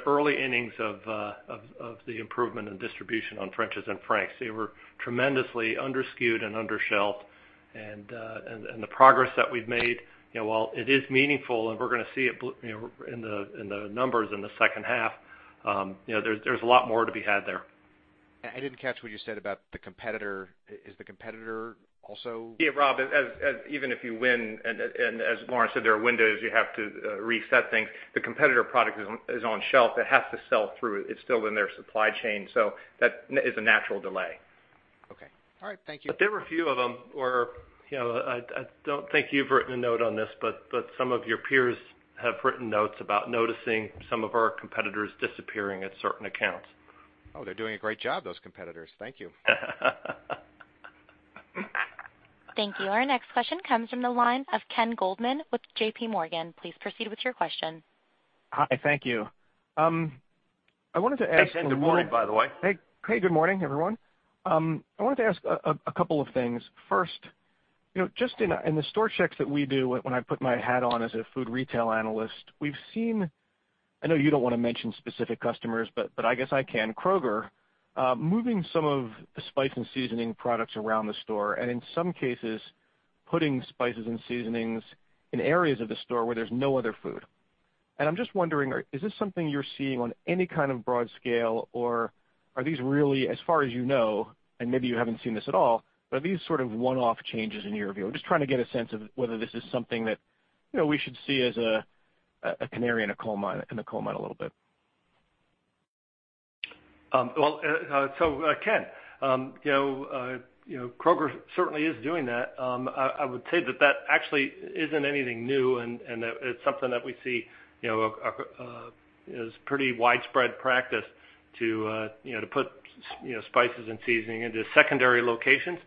early innings of the improvement in distribution on French's and Frank's. They were tremendously underskewed and undershelved. The progress that we've made, while it is meaningful and we're gonna see it in the numbers in the second half, there's a lot more to be had there. I didn't catch what you said about the competitor. Is the competitor also? Yeah, Rob, even if you win, and as Lawrence said, there are windows you have to reset things. The competitor product is on shelf. It has to sell through. It's still in their supply chain, so that is a natural delay. Okay. All right. Thank you. There were a few of them, or I don't think you've written a note on this, but some of your peers have written notes about noticing some of our competitors disappearing at certain accounts. Oh, they're doing a great job, those competitors. Thank you. Thank you. Our next question comes from the line of Ken Goldman with J.P. Morgan. Please proceed with your question. Hi. Thank you. I wanted to ask. Hey, Ken. Good morning, by the way. Hey. Good morning, everyone. I wanted to ask a couple of things. First, just in the store checks that we do when I put my hat on as a food retail analyst, we've seen, I know you don't want to mention specific customers, but I guess I can. Kroger, moving some of the spice and seasoning products around the store, and in some cases, putting spices and seasonings in areas of the store where there's no other food. I'm just wondering, is this something you're seeing on any kind of broad scale, or are these really, as far as you know, and maybe you haven't seen this at all, but are these sort of one-off changes in your view? I'm just trying to get a sense of whether this is something that we should see as a canary in the coal mine a little bit. Well, Ken, Kroger certainly is doing that. I would say that actually isn't anything new, that it's something that we see is pretty widespread practice to put spices and seasoning into secondary locations.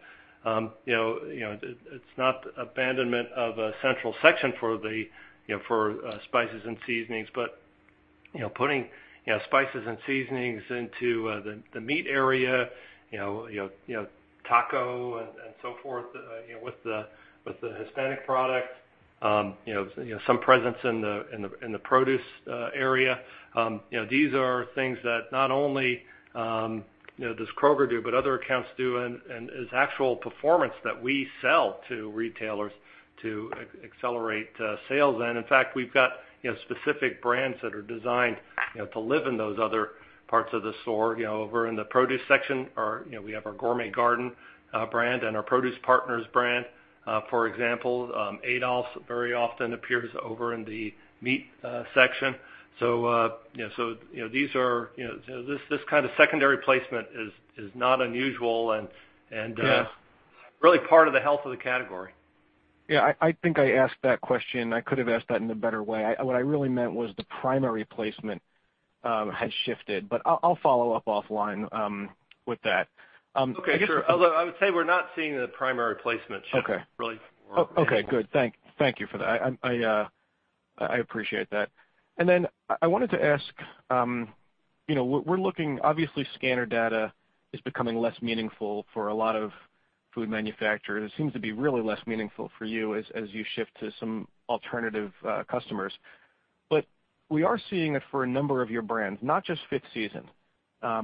It's not abandonment of a central section for spices and seasonings, but putting spices and seasonings into the meat area, taco and so forth, with the Hispanic products. Some presence in the produce area. These are things that not only does Kroger do, but other accounts do, is actual performance that we sell to retailers to accelerate sales. In fact, we've got specific brands that are designed to live in those other parts of the store. Over in the produce section, we have our Gourmet Garden brand and our Produce Partners brand. For example, Adolph's very often appears over in the meat section. This kind of secondary placement is not unusual. Yeah really part of the health of the category. Yeah, I think I asked that question, I could've asked that in a better way. What I really meant was the primary placement has shifted, I'll follow up offline with that. Okay, sure. Although I would say we're not seeing the primary placement shift. Okay really. Okay, good. Thank you for that. I appreciate that. I wanted to ask, obviously scanner data is becoming less meaningful for a lot of food manufacturers. It seems to be really less meaningful for you as you shift to some alternative customers. We are seeing it for a number of your brands, not just Fifth Season. A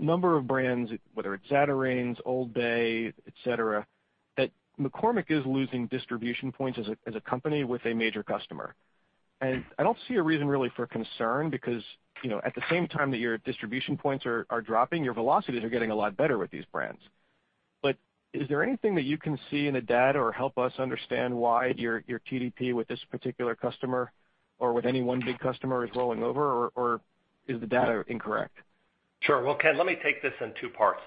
number of brands, whether it's Zatarain's, Old Bay, et cetera, that McCormick is losing distribution points as a company with a major customer. I don't see a reason really for concern because, at the same time that your distribution points are dropping, your velocities are getting a lot better with these brands. Is there anything that you can see in the data or help us understand why your TDP with this particular customer or with any one big customer is rolling over, or is the data incorrect? Sure. Well, Ken, let me take this in two parts.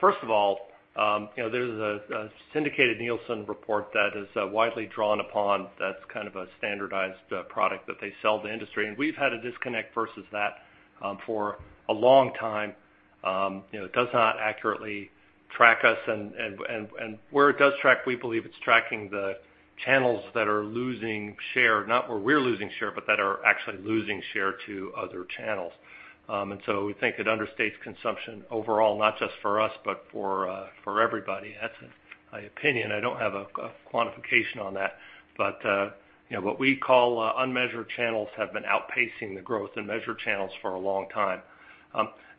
First of all, there's a syndicated Nielsen report that is widely drawn upon, that's kind of a standardized product that they sell to industry. We've had a disconnect versus that for a long time. It does not accurately track us, and where it does track, we believe it's tracking the channels that are losing share, not where we're losing share, but that are actually losing share to other channels. So we think it understates consumption overall, not just for us, but for everybody. That's an opinion. I don't have a quantification on that. What we call unmeasured channels have been outpacing the growth in measured channels for a long time.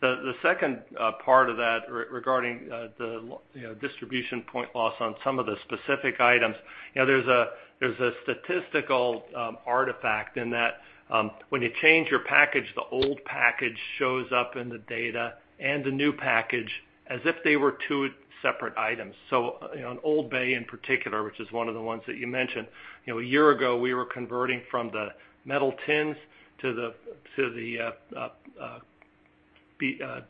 The second part of that regarding the distribution point loss on some of the specific items, there's a statistical artifact in that when you change your package, the old package shows up in the data and the new package as if they were two separate items. On Old Bay in particular, which is one of the ones that you mentioned, a year ago, we were converting from the metal tins to the, I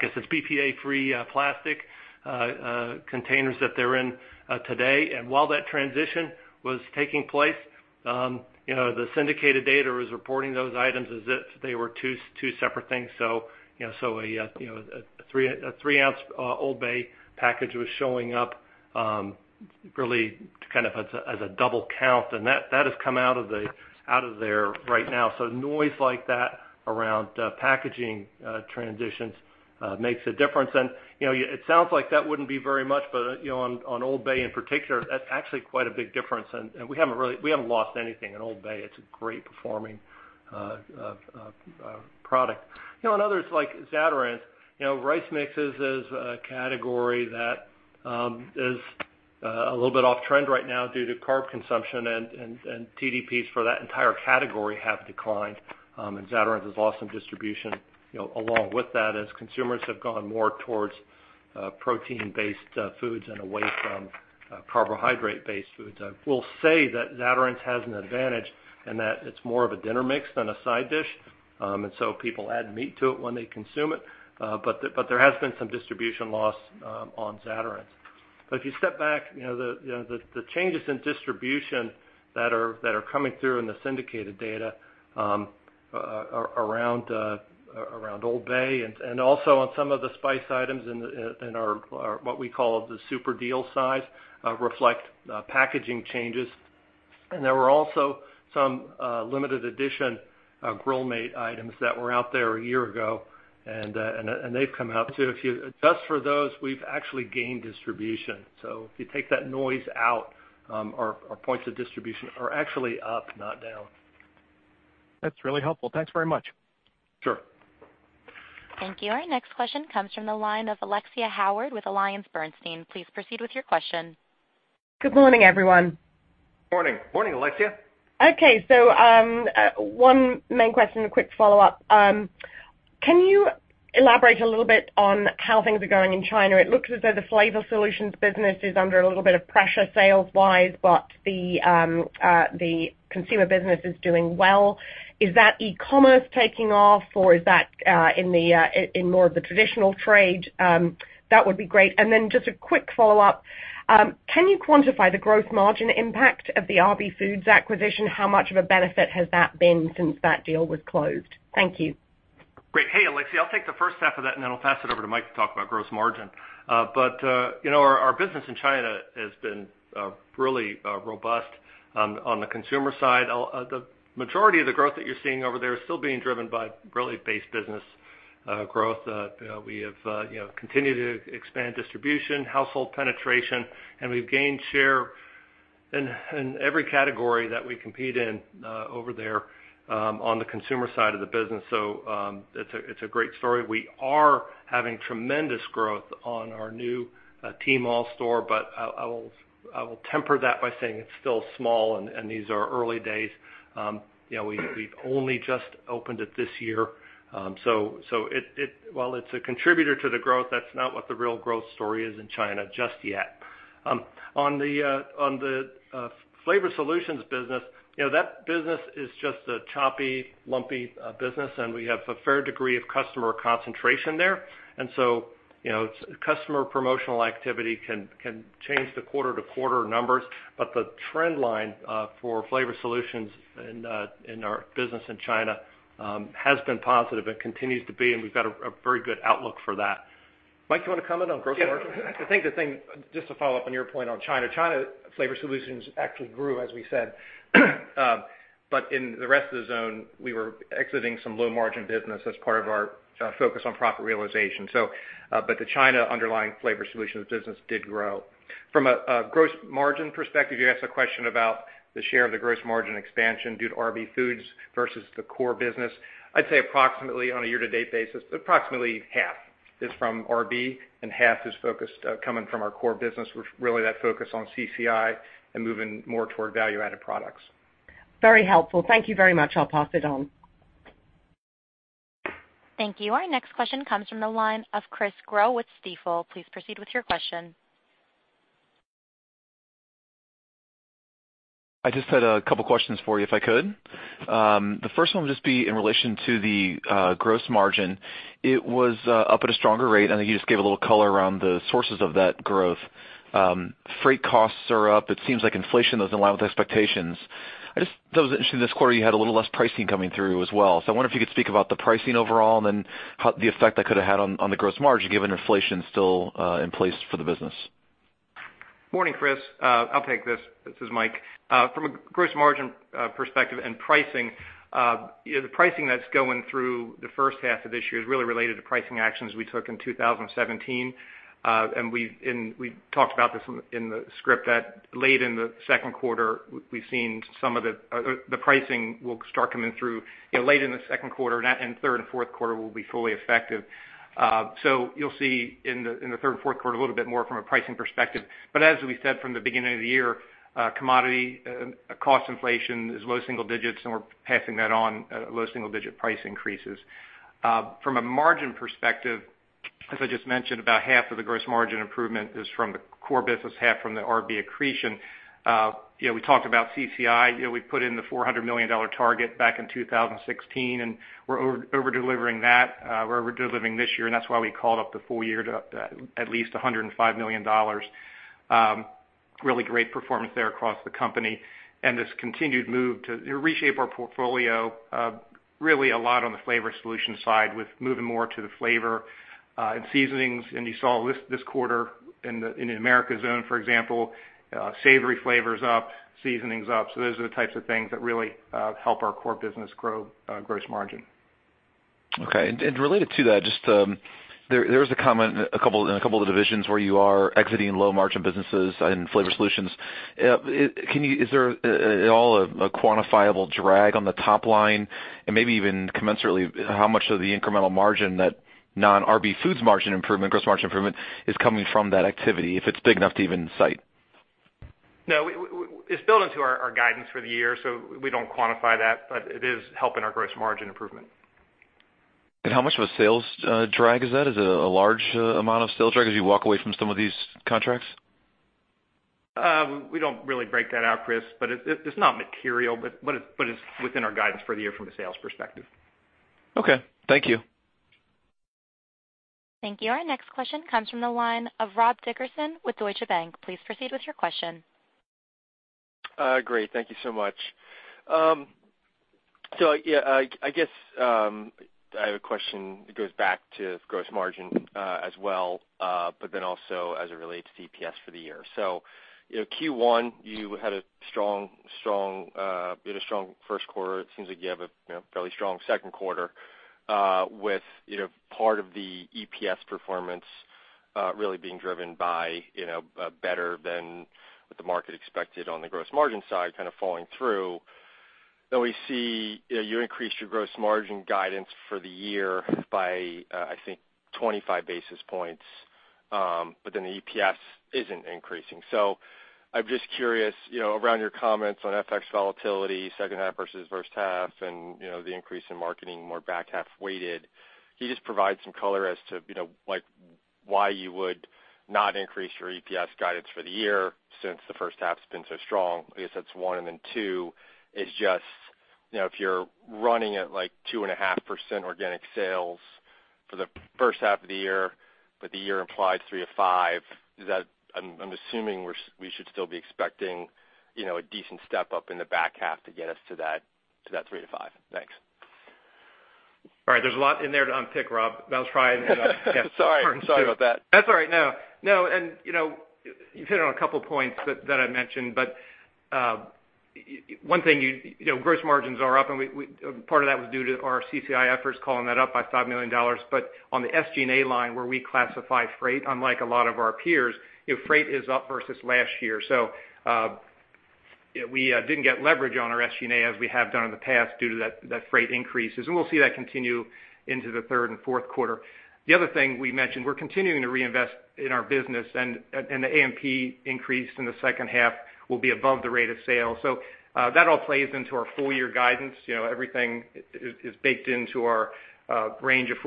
guess it's BPA-free plastic containers that they're in today. While that transition was taking place, the syndicated data was reporting those items as if they were two separate things. A three-ounce Old Bay package was showing up really as a double count, and that has come out of there right now. Noise like that around packaging transitions makes a difference. It sounds like that wouldn't be very much, on Old Bay in particular, that's actually quite a big difference, and we haven't lost anything in Old Bay. It's a great performing product. On others like Zatarain's, rice mix is a category that is a little bit off trend right now due to carb consumption, TDPs for that entire category have declined. Zatarain's has lost some distribution along with that as consumers have gone more towards protein-based foods and away from carbohydrate-based foods. I will say that Zatarain's has an advantage in that it's more of a dinner mix than a side dish, people add meat to it when they consume it. There has been some distribution loss on Zatarain's. If you step back, the changes in distribution that are coming through in the syndicated data around Old Bay and also on some of the spice items in our what we call the super deal size, reflect packaging changes. There were also some limited edition Grill Mates items that were out there a year ago, and they've come out too. If you adjust for those, we've actually gained distribution. If you take that noise out, our points of distribution are actually up, not down. That's really helpful. Thanks very much. Sure. Thank you. Our next question comes from the line of Alexia Howard with AllianceBernstein. Please proceed with your question. Good morning, everyone. Morning. Morning, Alexia. Okay. One main question, a quick follow-up. Can you elaborate a little bit on how things are going in China? It looks as though the flavor solutions business is under a little bit of pressure sales-wise, but the consumer business is doing well. Is that e-commerce taking off or is that in more of the traditional trade? That would be great. Just a quick follow-up. Can you quantify the gross margin impact of the RB Foods acquisition? How much of a benefit has that been since that deal was closed? Thank you. Great. Hey, Alexa. I'll take the first half of that, I'll pass it over to Mike to talk about gross margin. Our business in China has been really robust. On the consumer side, the majority of the growth that you're seeing over there is still being driven by really base business growth. We have continued to expand distribution, household penetration, and we've gained share in every category that we compete in over there on the consumer side of the business. It's a great story. We are having tremendous growth on our new Tmall store, but I will temper that by saying it's still small and these are early days. We've only just opened it this year. While it's a contributor to the growth, that's not what the real growth story is in China just yet. On the Flavor Solutions business, that business is just a choppy, lumpy business, and we have a fair degree of customer concentration there. Customer promotional activity can change the quarter-to-quarter numbers, but the trend line for Flavor Solutions in our business in China has been positive and continues to be, and we've got a very good outlook for that. Mike, you want to comment on gross margin? Yes. I think the thing, just to follow up on your point on China Flavor Solutions actually grew, as we said. In the rest of the zone, we were exiting some low-margin business as part of our focus on profit realization. The China underlying Flavor Solutions business did grow. From a gross margin perspective, you asked a question about the share of the gross margin expansion due to RB Foods versus the core business. I'd say approximately on a year-to-date basis, approximately half is from RB and half is coming from our core business, which really that focus on CCI and moving more toward value-added products. Very helpful. Thank you very much. I'll pass it on. Thank you. Our next question comes from the line of Chris Growe with Stifel. Please proceed with your question. I just had a couple questions for you, if I could. The 1st one would just be in relation to the gross margin. It was up at a stronger rate, and I think you just gave a little color around the sources of that growth. Freight costs are up. It seems like inflation is in line with expectations. I just thought it was interesting this quarter you had a little less pricing coming through as well. I wonder if you could speak about the pricing overall and then the effect that could've had on the gross margin, given inflation's still in place for the business. Morning, Chris. I'll take this. This is Mike. From a gross margin perspective and pricing, the pricing that's going through the 1st half of this year is really related to pricing actions we took in 2017. We talked about this in the script that late in the 2nd quarter we've seen some of the pricing will start coming through late in the 2nd quarter, and 3rd and 4th quarter will be fully effective. You'll see in the 3rd and 4th quarter a little bit more from a pricing perspective. As we said from the beginning of the year, commodity cost inflation is low single digits, and we're passing that on at low single-digit price increases. From a margin perspective, as I just mentioned, about half of the gross margin improvement is from the core business, half from the RB accretion. We talked about CCI. We put in the $400 million target back in 2016, and we're over-delivering that. We're over-delivering this year, and that's why we called up the full year to at least $105 million. Really great performance there across the company. This continued move to reshape our portfolio, really a lot on the Flavor Solutions side with moving more to the flavor and seasonings. You saw this quarter in the Americas zone, for example, savory flavor's up, seasoning's up. Those are the types of things that really help our core business grow gross margin. Related to that, there was a comment in a couple of the divisions where you are exiting low-margin businesses in Flavor Solutions. Is there at all a quantifiable drag on the top line? Maybe even commensurately, how much of the incremental margin that non-RB Foods margin improvement, gross margin improvement, is coming from that activity, if it's big enough to even cite? No, it's built into our guidance for the year, so we don't quantify that, but it is helping our gross margin improvement. How much of a sales drag is that? Is it a large amount of sales drag as you walk away from some of these contracts? We don't really break that out, Chris, but it's not material, but it's within our guidance for the year from a sales perspective. Okay, thank you. Thank you. Our next question comes from the line of Robert Dickerson with Deutsche Bank. Please proceed with your question. Great. Thank you so much. Yeah, I guess I have a question that goes back to gross margin as well, also as it relates to EPS for the year. Q1, you had a strong first quarter. It seems like you have a fairly strong second quarter with part of the EPS performance really being driven by better than what the market expected on the gross margin side kind of falling through. We see you increased your gross margin guidance for the year by, I think, 25 basis points, the EPS isn't increasing. I'm just curious, around your comments on FX volatility, second half versus first half, and the increase in marketing more back half weighted, can you just provide some color as to why you would not increase your EPS guidance for the year since the first half's been so strong? I guess that's one. Two is just, if you're running at 2.5% organic sales for the first half of the year, the year implies 3%-5%, I'm assuming we should still be expecting a decent step-up in the back half to get us to that 3%-5%. Thanks. All right. There's a lot in there to unpick, Rob. Sorry about that. That's all right. No. You've hit on a couple points that I mentioned. One thing, gross margins are up, and part of that was due to our CCI efforts calling that up by $5 million. On the SG&A line where we classify freight, unlike a lot of our peers, freight is up versus last year. We didn't get leverage on our SG&A as we have done in the past due to that freight increases. We'll see that continue into the third and fourth quarter. The other thing we mentioned, we're continuing to reinvest in our business and the AMP increase in the second half will be above the rate of sale. That all plays into our full year guidance. Everything is baked into our range of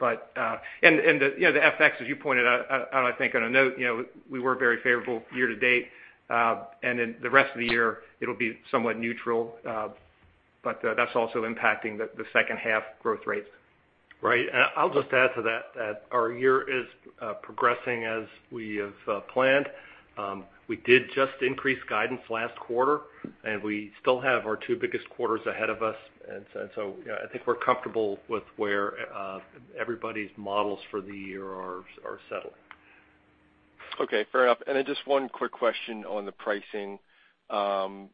$4.85-$4.95. The FX, as you pointed out, I think on a note, we were very favorable year-to-date. The rest of the year it'll be somewhat neutral. That's also impacting the second half growth rates. Right. I'll just add to that our year is progressing as we have planned. We did just increase guidance last quarter, and we still have our two biggest quarters ahead of us. I think we're comfortable with where everybody's models for the year are settling. Okay, fair enough. Just one quick question on the pricing. I'm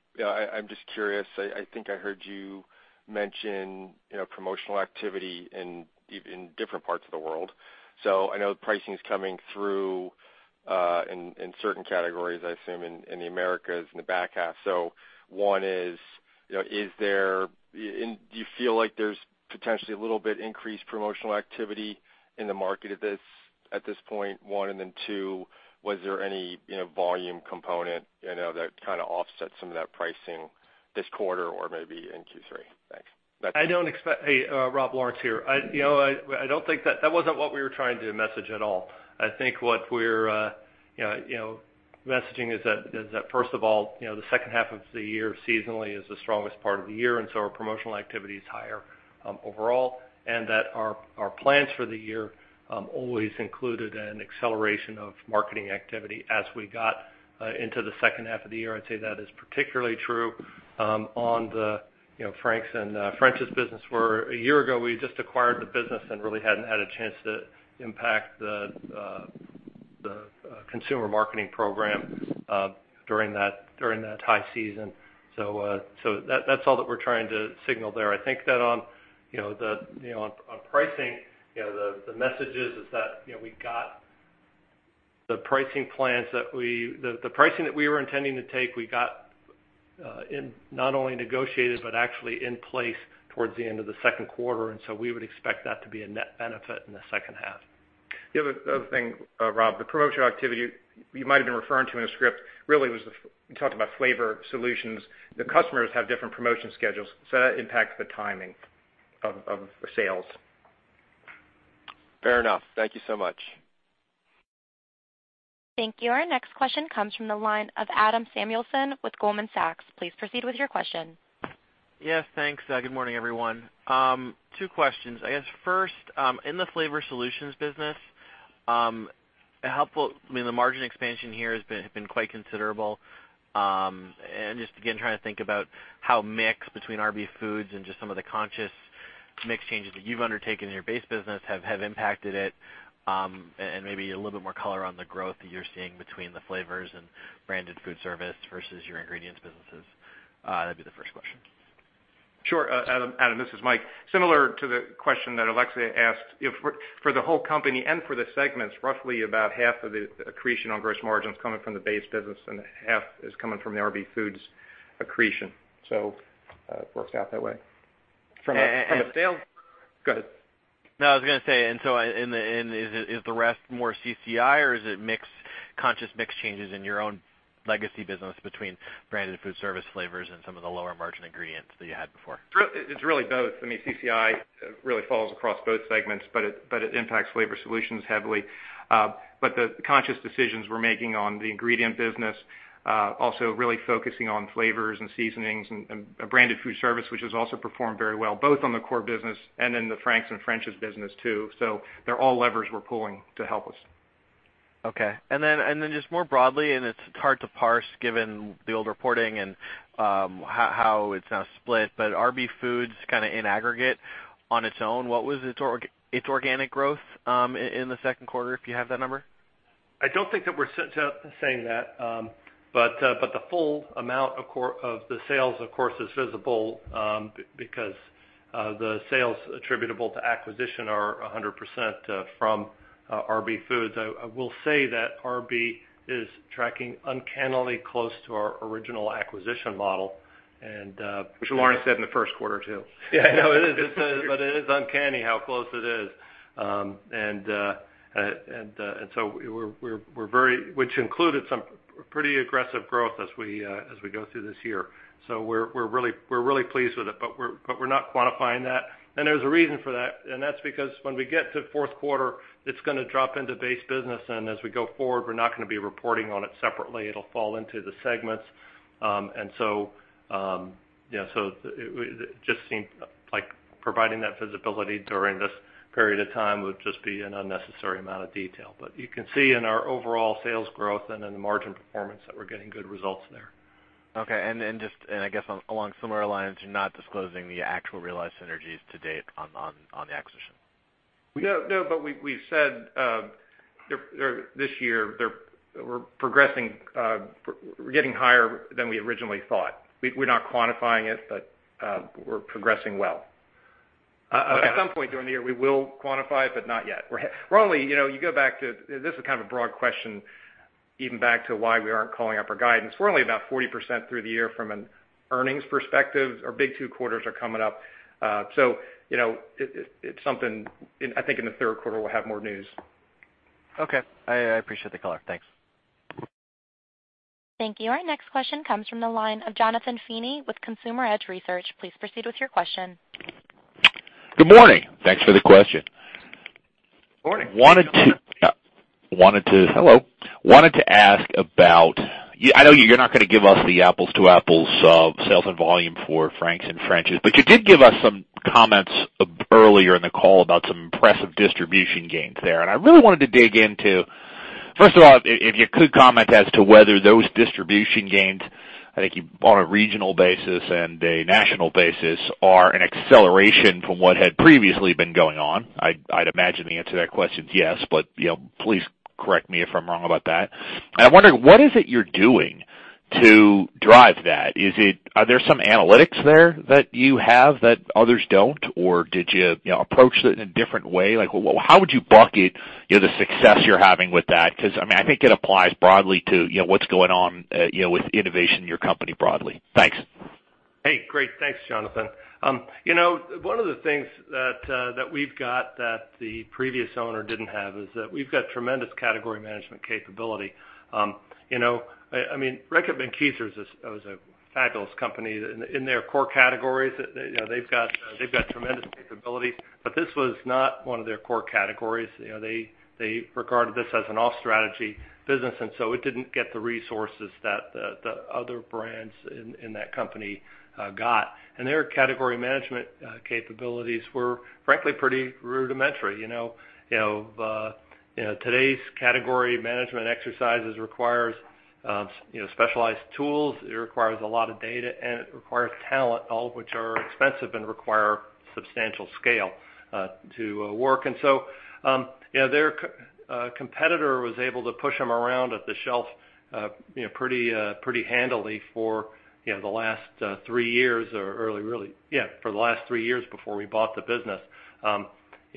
just curious, I think I heard you mention promotional activity in different parts of the world. I know pricing's coming through, in certain categories, I assume, in the Americas in the back half. One is, do you feel like there's potentially a little bit increased promotional activity in the market at this point, one? Two, was there any volume component that kind of offsets some of that pricing this quarter or maybe in Q3? Thanks. Hey, Rob, Lawrence here. That wasn't what we were trying to message at all. I think what we're messaging is that first of all, the second half of the year seasonally is the strongest part of the year, and so our promotional activity is higher, overall. That our plans for the year, always included an acceleration of marketing activity as we got into the second half of the year. I'd say that is particularly true on the Frank's and French's business, where a year ago we just acquired the business and really hadn't had a chance to impact the consumer marketing program during that high season. That's all that we're trying to signal there. I think that on pricing, the message is that we got the pricing that we were intending to take, we got not only negotiated, but actually in place towards the end of the second quarter, and so we would expect that to be a net benefit in the second half. The other thing, Rob, the promotion activity you might've been referring to in the script really was, you talked about flavor solutions. The customers have different promotion schedules, that impacts the timing of the sales. Fair enough. Thank you so much. Thank you. Our next question comes from the line of Adam Samuelson with Goldman Sachs. Please proceed with your question. Yes, thanks. Good morning, everyone. Two questions. I guess first, in the flavor solutions business, the margin expansion here has been quite considerable. Just again, trying to think about how mix between RB Foods and just some of the conscious mix changes that you've undertaken in your base business have impacted it. Maybe a little bit more color on the growth that you're seeing between the flavors and branded food service versus your ingredients businesses. That'd be the first question. Sure. Adam, this is Mike. Similar to the question that Alexia asked. For the whole company and for the segments, roughly about half of the accretion on gross margin's coming from the base business and half is coming from the RB Foods accretion. It works out that way. And- Go ahead. No, I was going to say, is the rest more CCI or is it conscious mix changes in your own legacy business between branded foodservice flavors and some of the lower margin ingredients that you had before? It's really both. CCI really falls across both segments, but it impacts flavor solutions heavily. The conscious decisions we're making on the ingredient business, also really focusing on flavors and seasonings and branded foodservice, which has also performed very well, both on the core business and in the Frank's and French's business too. They're all levers we're pulling to help us. Okay. Then just more broadly, it's hard to parse given the old reporting and how it's now split, RB Foods kind of in aggregate on its own, what was its organic growth in the second quarter, if you have that number? I don't think that we're saying that. The full amount of the sales, of course, is visible, because the sales attributable to acquisition are 100% from RB Foods. I will say that RB is tracking uncannily close to our original acquisition model. Which Lawrence said in the first quarter, too. Yeah, I know, it is. It is uncanny how close it is. Which included some pretty aggressive growth as we go through this year. We're really pleased with it, but we're not quantifying that. There's a reason for that's because when we get to fourth quarter, it's going to drop into base business, as we go forward, we're not going to be reporting on it separately. It'll fall into the segments. It just seemed like providing that visibility during this period of time would just be an unnecessary amount of detail. You can see in our overall sales growth and in the margin performance that we're getting good results there. Okay. I guess along similar lines, you're not disclosing the actual realized synergies to date on the acquisition? No, we've said this year we're getting higher than we originally thought. We're not quantifying it, we're progressing well. At some point during the year, we will quantify it, not yet. This is kind of a broad question, even back to why we aren't calling up our guidance. We're only about 40% through the year from an earnings perspective. Our big two quarters are coming up. It's something, I think in the third quarter we'll have more news. Okay. I appreciate the color. Thanks. Thank you. Our next question comes from the line of Jonathan Feeney with Consumer Edge Research. Please proceed with your question. Good morning. Thanks for the question. Morning. Hello. I wanted to ask about I know you are not going to give us the apples to apples, sales and volume for Frank's and French's, but you did give us some comments earlier in the call about some impressive distribution gains there. I really wanted to dig into, first of all, if you could comment as to whether those distribution gains, I think on a regional basis and a national basis, are an acceleration from what had previously been going on. I would imagine the answer to that question is yes, but please correct me if I am wrong about that. I wonder, what is it you are doing to drive that? Are there some analytics there that you have that others don't? Or did you approach it in a different way? How would you bucket the success you are having with that? Because, I think it applies broadly to what is going on with innovation in your company broadly. Thanks. Hey, great. Thanks, Jonathan. One of the things that we have got that the previous owner didn't have is that we have got tremendous category management capability. Reckitt Benckiser is a fabulous company in their core categories. They have got tremendous capabilities, but this was not one of their core categories. They regarded this as an off-strategy business, so it didn't get the resources that the other brands in that company got. Their category management capabilities were, frankly, pretty rudimentary. Today's category management exercises requires specialized tools, it requires a lot of data, and it requires talent, all of which are expensive and require substantial scale to work. So, their competitor was able to push them around at the shelf pretty handily for the last three years before we bought the business. We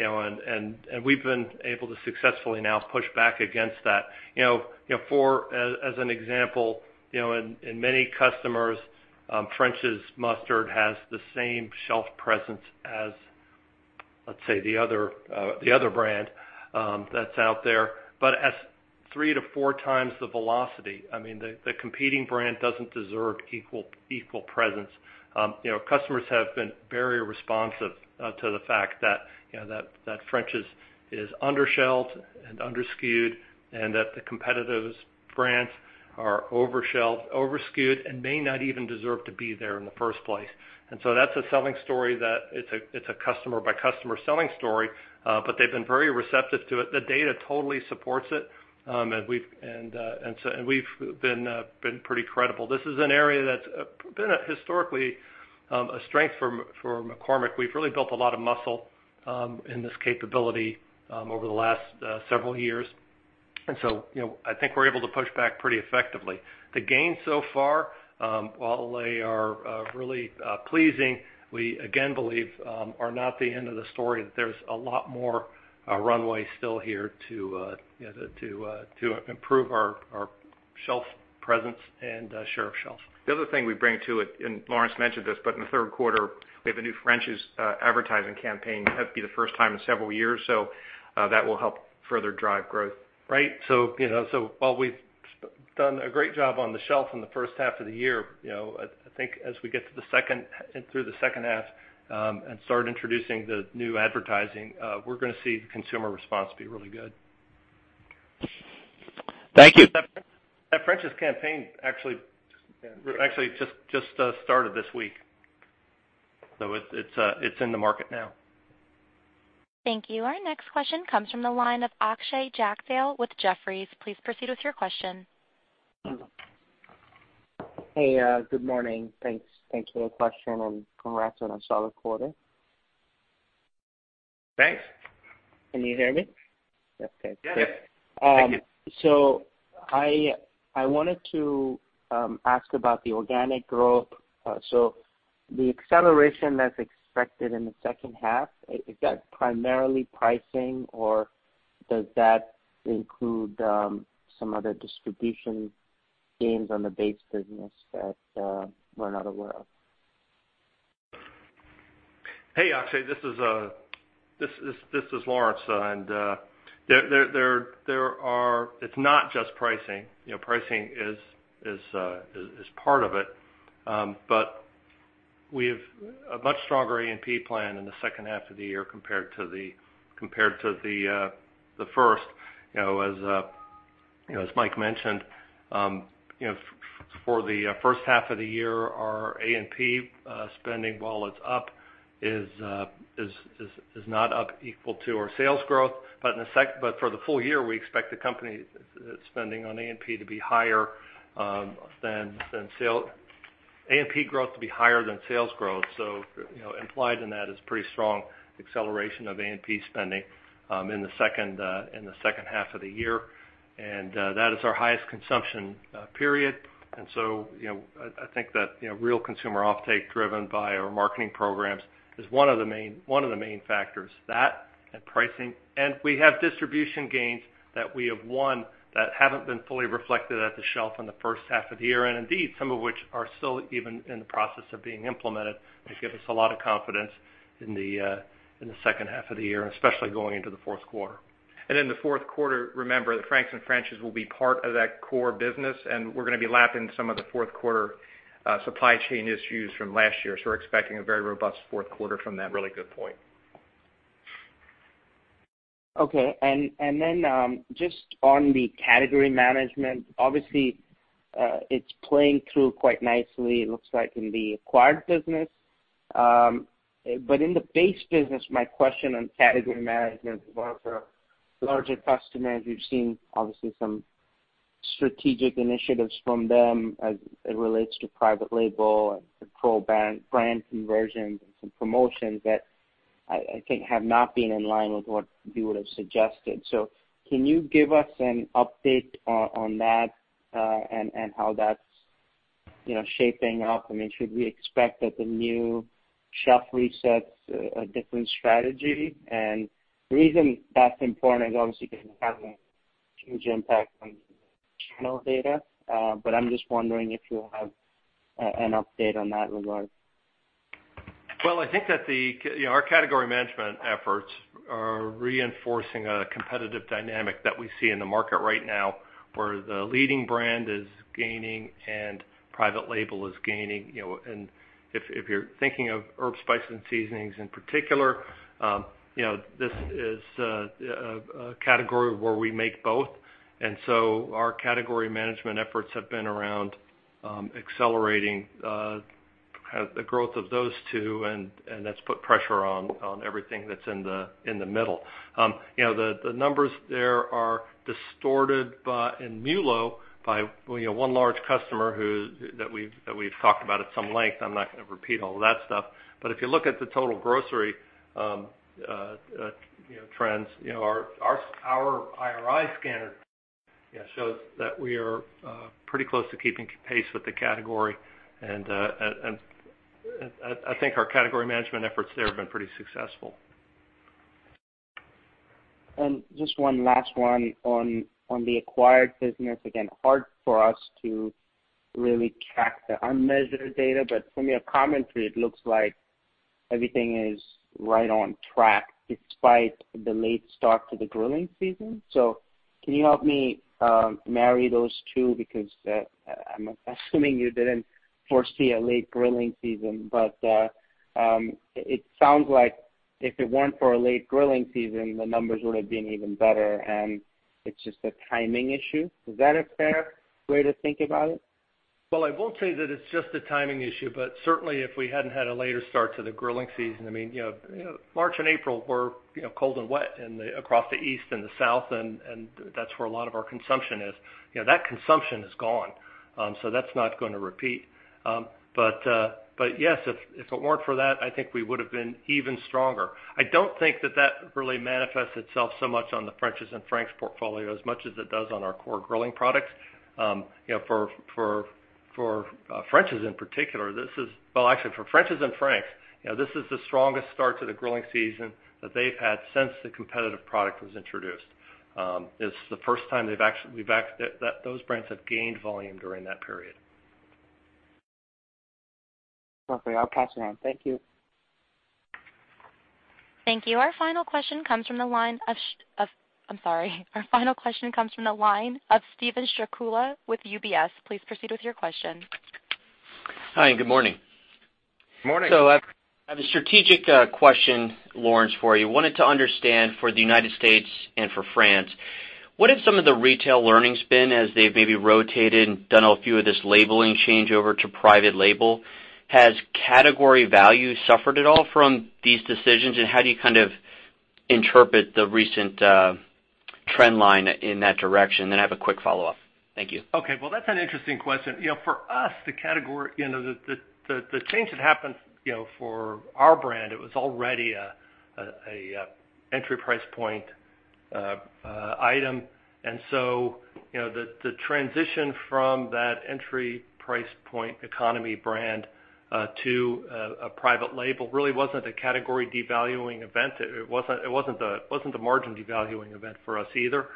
have been able to successfully now push back against that. As an example, in many customers, French's Mustard has the same shelf presence as, let's say, the other brand that's out there, but at three to four times the velocity. The competing brand doesn't deserve equal presence. Customers have been very responsive to the fact that French's is under-shelved and under-SKUed, and that the competitor's brands are over-shelved, over-SKUed, and may not even deserve to be there in the first place. That's a selling story, it's a customer-by-customer selling story, but they've been very receptive to it. The data totally supports it, and we've been pretty credible. This is an area that's been historically a strength for McCormick. We've really built a lot of muscle in this capability over the last several years. I think we're able to push back pretty effectively. The gains so far, while they are really pleasing, we again believe are not the end of the story, that there's a lot more runway still here to improve our shelf presence and share of shelf. The other thing we bring to it, Lawrence mentioned this, in the third quarter, we have a new French's advertising campaign. That'd be the first time in several years. That will help further drive growth. Right. While we've done a great job on the shelf in the first half of the year, I think as we get through the second half and start introducing the new advertising, we're going to see the consumer response be really good. Thank you. That French's campaign actually just started this week. It's in the market now. Thank you. Our next question comes from the line of Akshay Jagdale with Jefferies. Please proceed with your question. Hey, good morning. Thanks for the question, congrats on a solid quarter. Thanks. Can you hear me? Okay. Yeah. Thank you. I wanted to ask about the organic growth. The acceleration that's expected in the second half, is that primarily pricing, or does that include some other distribution gains on the base business that we're not aware of? Hey, Akshay, this is Lawrence. It's not just pricing. Pricing is part of it. We have a much stronger A&P plan in the second half of the year compared to the first. As Mike mentioned, for the first half of the year, our A&P spending, while it's up, is not up equal to our sales growth. For the full year, we expect the company spending on A&P to be higher than sales growth. Implied in that is pretty strong acceleration of A&P spending in the second half of the year. That is our highest consumption period. I think that real consumer offtake driven by our marketing programs is one of the main factors. That and pricing. We have distribution gains that we have won that haven't been fully reflected at the shelf in the first half of the year, indeed, some of which are still even in the process of being implemented, which give us a lot of confidence in the second half of the year, especially going into the fourth quarter. In the fourth quarter, remember that Frank's and French's will be part of that core business, we're going to be lapping some of the fourth quarter supply chain issues from last year. We're expecting a very robust fourth quarter from that really good point. Okay. Just on the category management, obviously, it's playing through quite nicely, it looks like in the acquired business. In the base business, my question on category management, one of the larger customers, we've seen obviously some strategic initiatives from them as it relates to private label and control brand conversions and some promotions that I think have not been in line with what you would've suggested. Can you give us an update on that, and how that's shaping up? Should we expect that the new shelf resets a different strategy? The reason that's important is obviously because it has a huge impact on channel data. I'm just wondering if you have an update on that regard. Well, I think that our category management efforts are reinforcing a competitive dynamic that we see in the market right now, where the leading brand is gaining and private label is gaining. If you're thinking of herbs, spice, and seasonings in particular, this is a category where we make both. Our category management efforts have been around accelerating the growth of those two, that's put pressure on everything that's in the middle. The numbers there are distorted in MULO by one large customer that we've talked about at some length. I'm not going to repeat all of that stuff. If you look at the total grocery trends, our IRI scanner shows that we are pretty close to keeping pace with the category. I think our category management efforts there have been pretty successful. Just one last one on the acquired business. Again, hard for us to really track the unmeasured data, from your commentary, it looks like everything is right on track despite the late start to the grilling season. Can you help me marry those two? Because I'm assuming you didn't foresee a late grilling season. It sounds like if it weren't for a late grilling season, the numbers would've been even better, and it's just a timing issue. Is that a fair way to think about it? Well, I won't say that it's just a timing issue, but certainly if we hadn't had a later start to the grilling season, March and April were cold and wet across the East and the South and that's where a lot of our consumption is. That consumption is gone. That's not going to repeat. Yes, if it weren't for that, I think we would've been even stronger. I don't think that that really manifests itself so much on the French's and Frank's portfolio as much as it does on our core grilling products. For French's in particular, well, actually for French's and Frank's, this is the strongest start to the grilling season that they've had since the competitive product was introduced. It's the first time those brands have gained volume during that period. Okay. I'll pass it on. Thank you. Thank you. Our final question comes from the line of Steven Strycula with UBS. Please proceed with your question. Hi, good morning. Morning. I have a strategic question, Lawrence, for you. Wanted to understand for the U.S. and for France, what have some of the retail learnings been as they've maybe rotated and done a few of this labeling change over to private label? Has category value suffered at all from these decisions? How do you kind of interpret the recent trend line in that direction? I have a quick follow-up. Thank you. Okay. Well, that's an interesting question. For us, the change that happened for our brand, it was already an entry price point item. The transition from that entry price point economy brand to a private label really wasn't a category devaluing event. It wasn't a margin devaluing event for us either.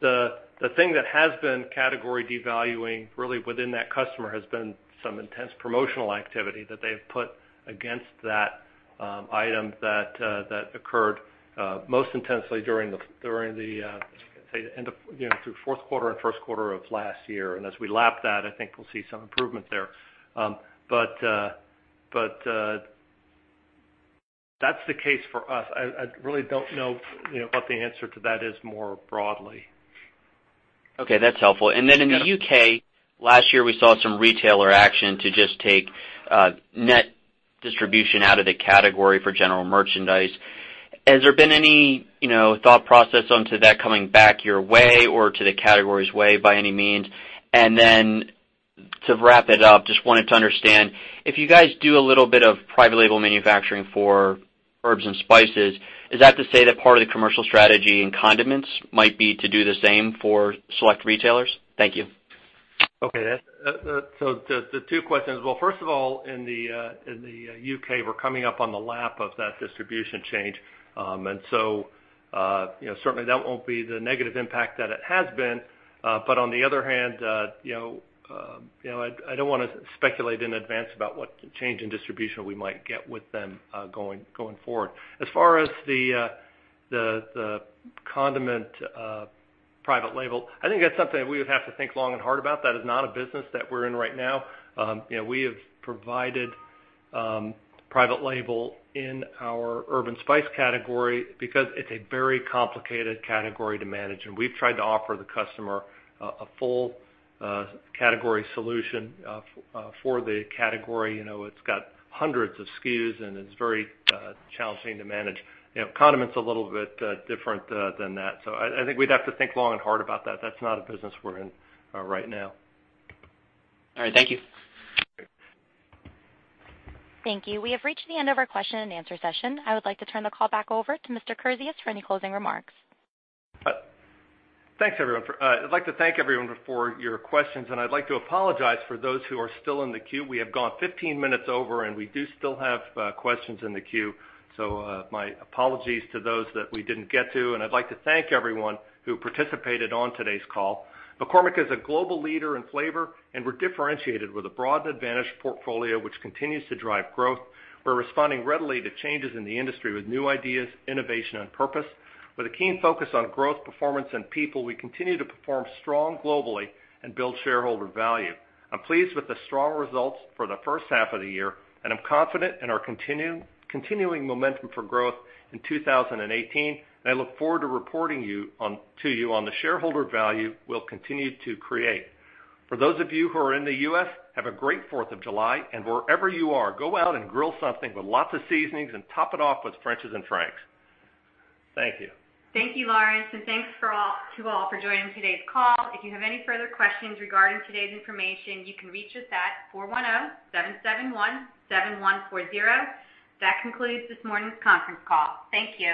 The thing that has been category devaluing really within that customer has been some intense promotional activity that they've put against that item that occurred most intensely through fourth quarter and first quarter of last year. As we lap that, I think we'll see some improvement there. That's the case for us. I really don't know what the answer to that is more broadly. Okay, that's helpful. In the U.K., last year, we saw some retailer action to just take net distribution out of the category for general merchandise. Has there been any thought process onto that coming back your way or to the category's way by any means? To wrap it up, just wanted to understand, if you guys do a little bit of private label manufacturing for herbs and spices, is that to say that part of the commercial strategy in condiments might be to do the same for select retailers? Thank you. Okay. The two questions. Well, first of all, in the U.K., we're coming up on the lap of that distribution change. Certainly that won't be the negative impact that it has been. On the other hand, I don't want to speculate in advance about what change in distribution we might get with them, going forward. As far as the condiment private label, I think that's something that we would have to think long and hard about. That is not a business that we're in right now. We have provided private label in our herb and spice category because it's a very complicated category to manage, and we've tried to offer the customer a full category solution for the category. It's got hundreds of SKUs, and it's very challenging to manage. Condiment's a little bit different than that. I think we'd have to think long and hard about that. That's not a business we're in right now. All right. Thank you. Okay. Thank you. We have reached the end of our question and answer session. I would like to turn the call back over to Mr. Kurzius for any closing remarks. Thanks, everyone. I'd like to thank everyone for your questions, and I'd like to apologize for those who are still in the queue. We have gone 15 minutes over, and we do still have questions in the queue. My apologies to those that we didn't get to, and I'd like to thank everyone who participated on today's call. McCormick is a global leader in flavor, and we're differentiated with a broad advantage portfolio, which continues to drive growth. We're responding readily to changes in the industry with new ideas, innovation, and purpose. With a keen focus on growth, performance, and people, we continue to perform strong globally and build shareholder value. I'm pleased with the strong results for the first half of the year. I'm confident in our continuing momentum for growth in 2018. I look forward to reporting to you on the shareholder value we'll continue to create. For those of you who are in the U.S., have a great 4th of July. Wherever you are, go out and grill something with lots of seasonings. Top it off with French's and Frank's. Thank you. Thank you, Lawrence. Thanks to all for joining today's call. If you have any further questions regarding today's information, you can reach us at 410-771-7140. That concludes this morning's conference call. Thank you.